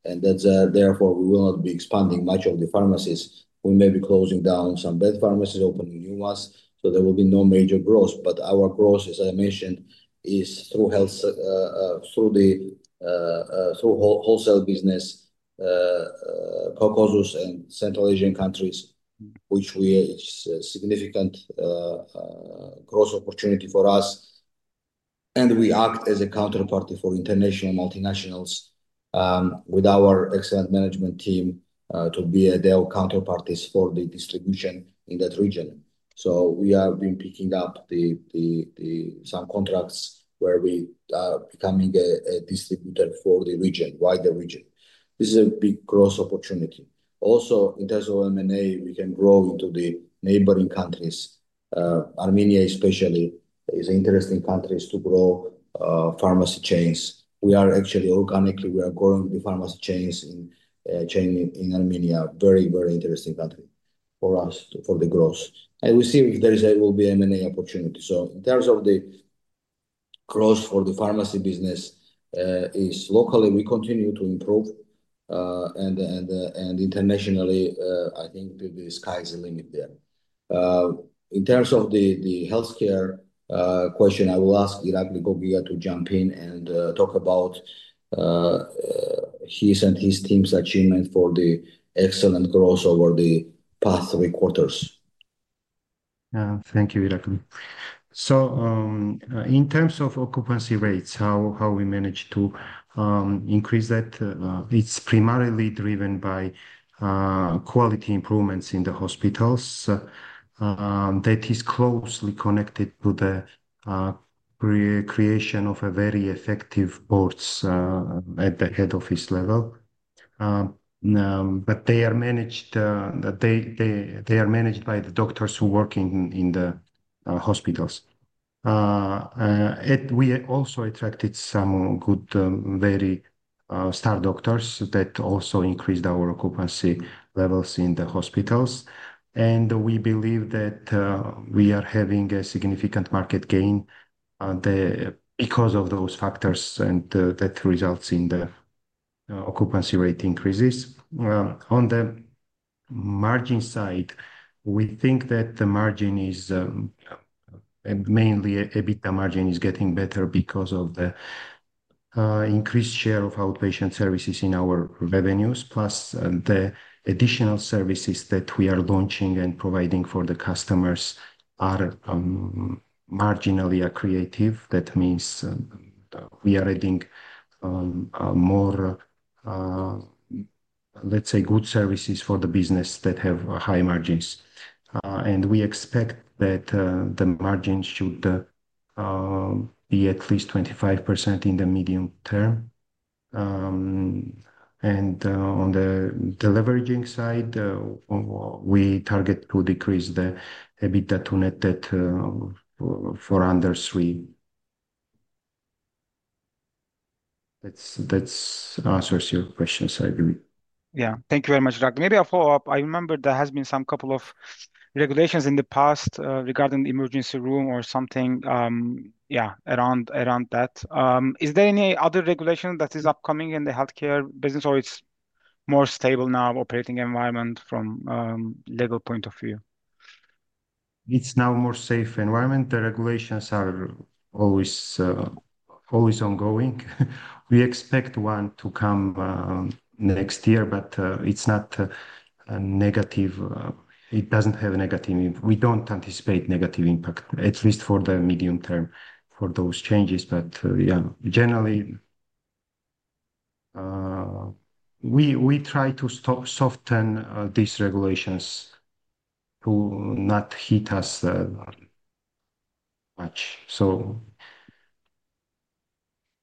That's why we will not be expanding much of the pharmacies. We may be closing down some bad pharmacies, opening new ones. There will be no major growth. Our growth, as I mentioned, is through health, through the wholesale business, Caucasus and Central Asian countries, which is a significant growth opportunity for us. We act as a counterparty for international multinationals with our excellent management team to be their counterparties for the distribution in that region. We have been picking up some contracts where we are becoming a distributor for the wider region. This is a big growth opportunity. Also, in terms of M&A, we can grow into the neighboring countries. Armenia, especially, is an interesting country to grow pharmacy chains. We are actually organically, we are growing the pharmacy chains in Armenia. Very, very interesting country for us for the growth. We see if there will be M&A opportunity. In terms of the growth for the pharmacy business, locally we continue to improve. Internationally, I think the sky is the limit there. In terms of the healthcare question, I will ask Irakli Gogia to jump in and talk about his and his team's achievements for the excellent growth over the past three quarters. Thank you, Irakli. In terms of occupancy rates, how we managed to increase that, it's primarily driven by quality improvements in the hospitals that are closely connected to the creation of a very effective board at the head office level. They are managed by the doctors who work in the hospitals. We also attracted some good, very star doctors that also increased our occupancy levels in the hospitals. We believe that we are having a significant market gain because of those factors, and that results in the occupancy rate increases. On the margin side, we think that the margin is mainly EBITDA margin is getting better because of the increased share of outpatient services in our revenues, plus the additional services that we are launching and providing for the customers are marginally accretive. That means we are adding more, let's say, good services for the business that have high margins. We expect that the margins should be at least 25% in the medium term. On the leveraging side, we target to decrease the EBITDA to net debt for under three. That answers your questions, I believe. Yeah. Thank you very much, Irakli. Maybe I'll follow up. I remember there have been some couple of regulations in the past regarding the emergency room or something, yeah, around that. Is there any other regulation that is upcoming in the healthcare business, or it's more stable now, operating environment from a legal point of view? It's now a more safe environment. The regulations are always ongoing. We expect one to come next year, but it's not a negative. It doesn't have a negative impact. We don't anticipate a negative impact, at least for the medium term, for those changes. Generally, we try to soften these regulations to not hit us much.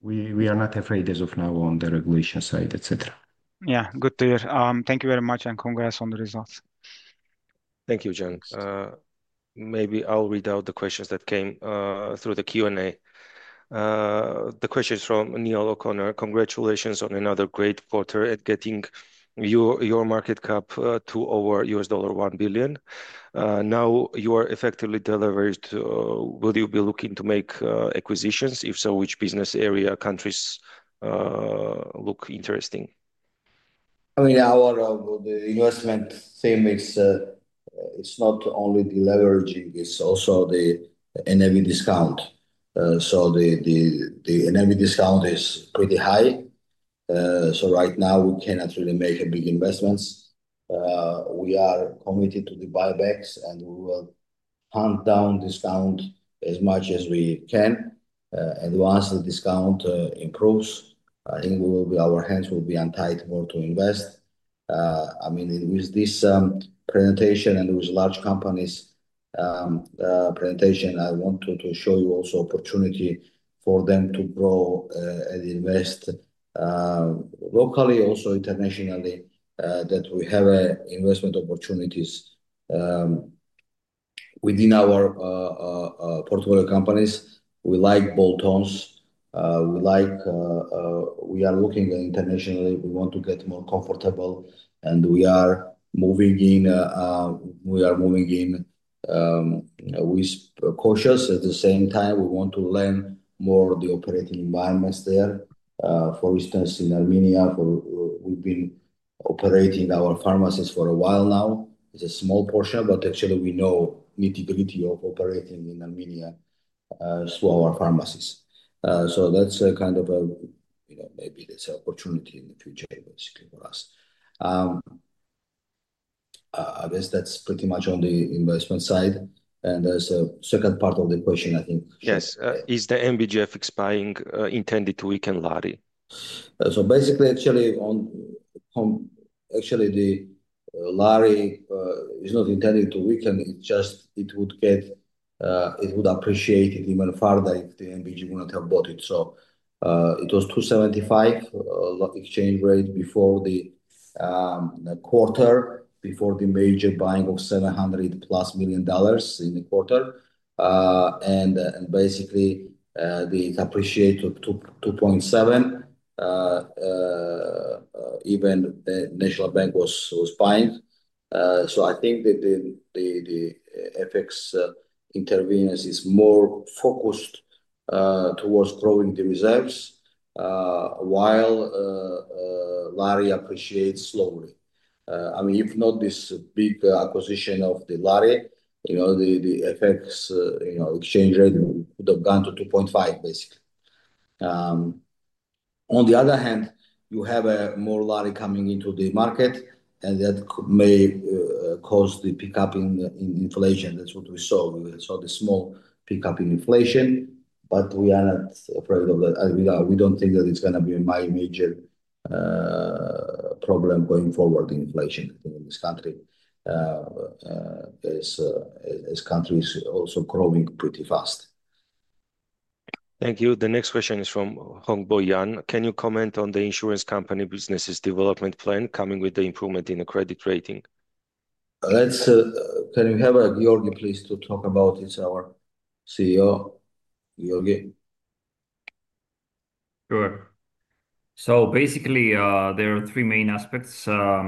We are not afraid as of now on the regulation side, etc. Yeah, good to hear. Thank you very much, and congrats on the results. Thank you, John. Maybe I'll read out the questions that came through the Q&A. The question is from [Neil O'Connor]. Congratulations on another great quarter at Georgia Capital. Your Market cap, to over GEL 1 billion. Now you are effectively delivered. Will you be looking to make acquisitions? If so, which business area, countries, look interesting? I mean, our investment theme is, it's not only the deleveraging, it's also the NAV discount. The NAV discount is pretty high. Right now we cannot really make big investments. We are committed to the buybacks and we will hunt down discounts as much as we can. Once the discount improves, I think our hands will be untied more to invest. With this presentation and with large companies' presentation, I want to show you also opportunity for them to grow and invest, locally, also internationally, that we have investment opportunities within our portfolio companies. We like bolt-ons. We are looking internationally. We want to get more comfortable and we are moving in with caution. At the same time, we want to learn more of the operating environments there. For instance, in Armenia, we've been operating our pharmacies for a while now. It's a small portion, but actually we know nitty-gritty of operating in Armenia through our pharmacies. That's a kind of a, you know, maybe there's an opportunity in the future, basically for us. I guess that's pretty much on the investment side. There's a second part of the question, I think. Yes. Is the MBGF expiring intended to weaken Lari? Basically, the Lari is not intended to weaken. It would appreciate even further if the National Bank of Georgia would not have bought it. It was GEL 2.75 Lari exchange rate before the quarter, before the major buying of GEL 700 million+ in the quarter. Basically, the appreciation took it to GEL 2.7. Even the National Bank was buying. I think that the FX intervention is more focused towards growing the reserves, while the Lari appreciates slowly. If not this big acquisition of the Lari, the FX exchange rate would have gone to GEL 2.5, basically. On the other hand, you have more Lari coming into the market and that may cause the pickup in inflation. That's what we saw. We saw the small pickup in inflation, but we are not afraid of that. We don't think that it's going to be a major problem going forward, the inflation in this country, as countries are also growing pretty fast. Thank you. The next question is from [Hongbo Yan]. Can you comment on the insurance company business's development plan coming with the improvement in the credit rating? Can you have Giorgi, please, to talk about it? It's our CEO. Giorgi. Sure. Basically, there are three main aspects that are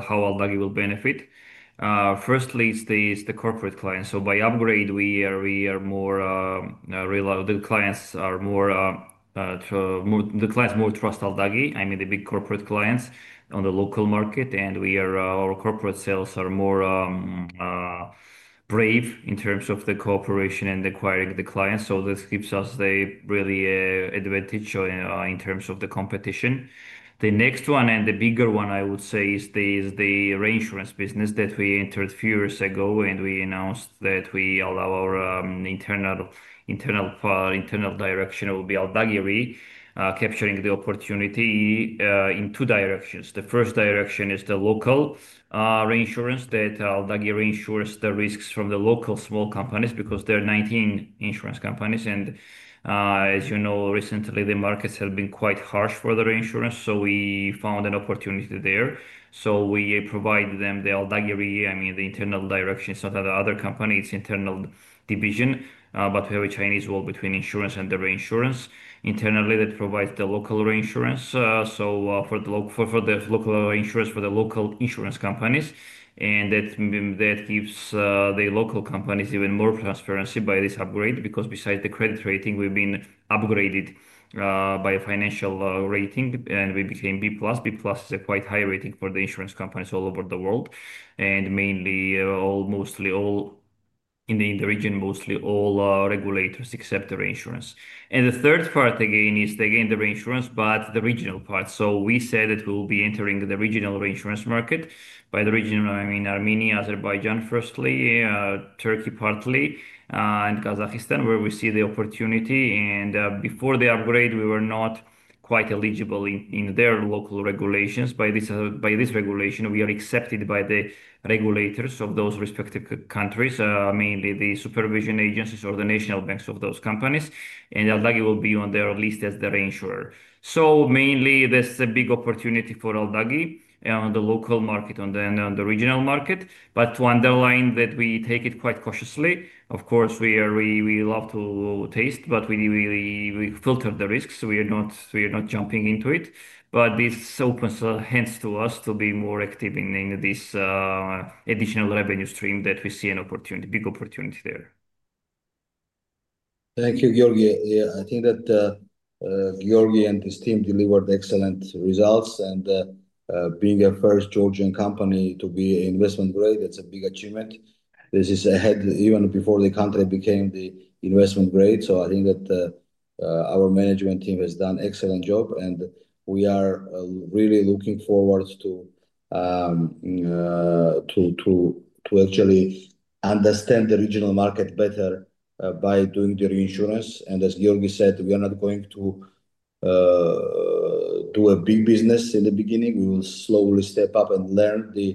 how Aldagi will benefit. Firstly, it's the corporate clients. By upgrade, we are more, the clients more trust Aldagi, I mean the big corporate clients on the local market, and our corporate sales are more brave in terms of the cooperation and acquiring the clients. This gives us a real advantage in terms of the competition. The next one, and the bigger one, I would say, is the reinsurance business that we entered a few years ago and we announced that we allow our internal direction. It will be Aldagi capturing the opportunity in two directions. The first direction is the local reinsurance that Aldagi insures the risks from the local small companies because there are 19 insurance companies. As you know, recently the markets have been quite harsh for the reinsurance. We found an opportunity there. We provide them the Aldagi, I mean, the internal direction. It's not another company, it's an internal division, but we have a Chinese wall between insurance and the reinsurance internally that provides the local reinsurance for the local insurance companies. That gives the local companies even more transparency by this upgrade because besides the credit rating, we've been upgraded by a financial rating. We became B+. B+ is a quite high rating for the insurance companies all over the world. Mainly, mostly all in the region, mostly all regulators accept reinsurance. The third part again is the reinsurance, but the regional part. We said that we'll be entering the regional reinsurance market. By the regional, I mean Armenia, Azerbaijan firstly, Turkey partly, and Kazakhstan, where we see the opportunity. Before the upgrade, we were not quite eligible in their local regulations. By this regulation, we are accepted by the regulators of those respective countries, mainly the supervision agencies or the national banks of those companies. Aldagi will be on their list as the reinsurer. Mainly, this is a big opportunity for Aldagi on the local market and on the regional market. To underline, we take it quite cautiously. Of course, we love to taste, but we need to filter the risks. We are not jumping into it. This opens hands to us to be more active in this additional revenue stream that we see an opportunity, big opportunity there. Thank you, Giorgi. I think that Giorgi and his team delivered excellent results. Being the first Georgian company to be investment grade, that's a big achievement. This is ahead even before the country became investment grade. I think that our management team has done an excellent job. We are really looking forward to actually understand the regional market better by doing the reinsurance. As Giorgi said, we are not going to do a big business in the beginning. We will slowly step up and learn the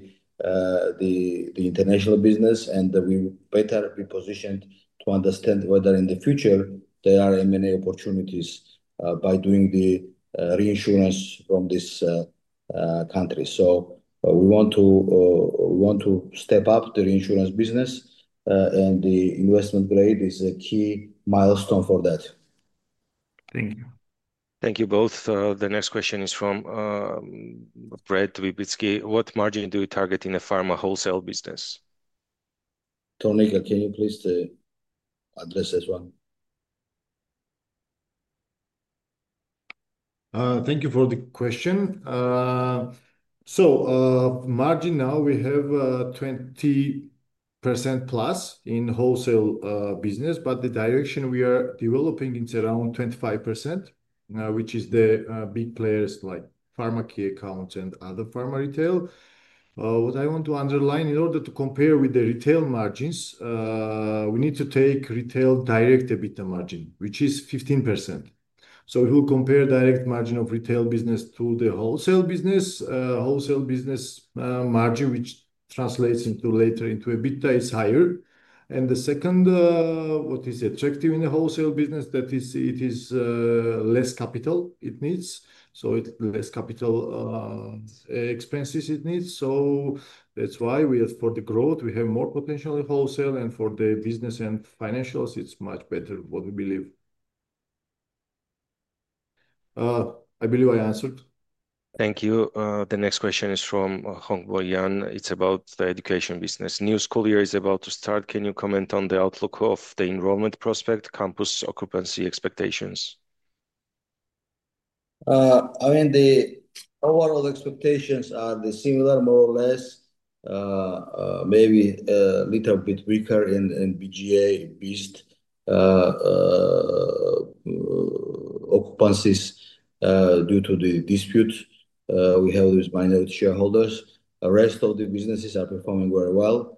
international business. We will be better repositioned to understand whether in the future there are many opportunities by doing the reinsurance from this country. We want to step up the reinsurance business, and the investment grade is a key milestone for that. Thank you. Thank you both. The next question is from [Brad Skibitzki]. What margin do you target in a pharma wholesale business? Tomika, can you please address this one? Thank you for the question. Margin now, we have a 20%+ in the wholesale business, but the direction we are developing is around 25%, which is the big players like Pharmacy Accounts and other pharma retail. What I want to underline, in order to compare with the retail margins, we need to take retail direct EBITDA margin, which is 15%. We will compare direct margin of retail business to the wholesale business. Wholesale business margin, which translates later into EBITDA, is higher. The second, what is attractive in the wholesale business is that it is less capital it needs. It's less capital expenses it needs. That's why we have for the growth, we have more potential in wholesale and for the business and financials, it's much better what we believe. I believe I answered. Thank you. The next question is from [Hongbo Yan]. It's about the education business. The new school year is about to start. Can you comment on the outlook of the enrollment prospect, campus occupancy expectations? I mean, the overall expectations are similar, more or less, maybe a little bit weaker in BGA-based occupancies due to the disputes. We have these minority shareholders. The rest of the businesses are performing very well.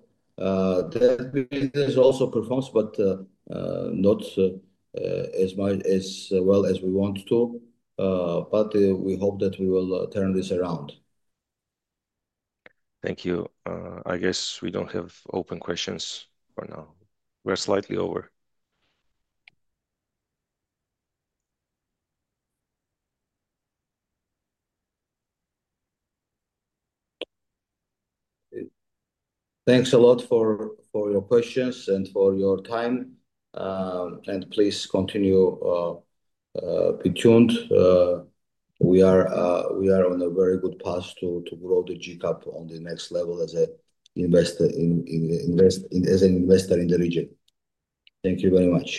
Tech business also performs, but not as much as well as we want to. We hope that we will turn this around. Thank you. I guess we don't have open questions for now. We're slightly over. Thanks a lot for your questions and for your time. Please continue, be tuned. We are on a very good path to grow Georgia Capital on the next level as an investor in the region. Thank you very much.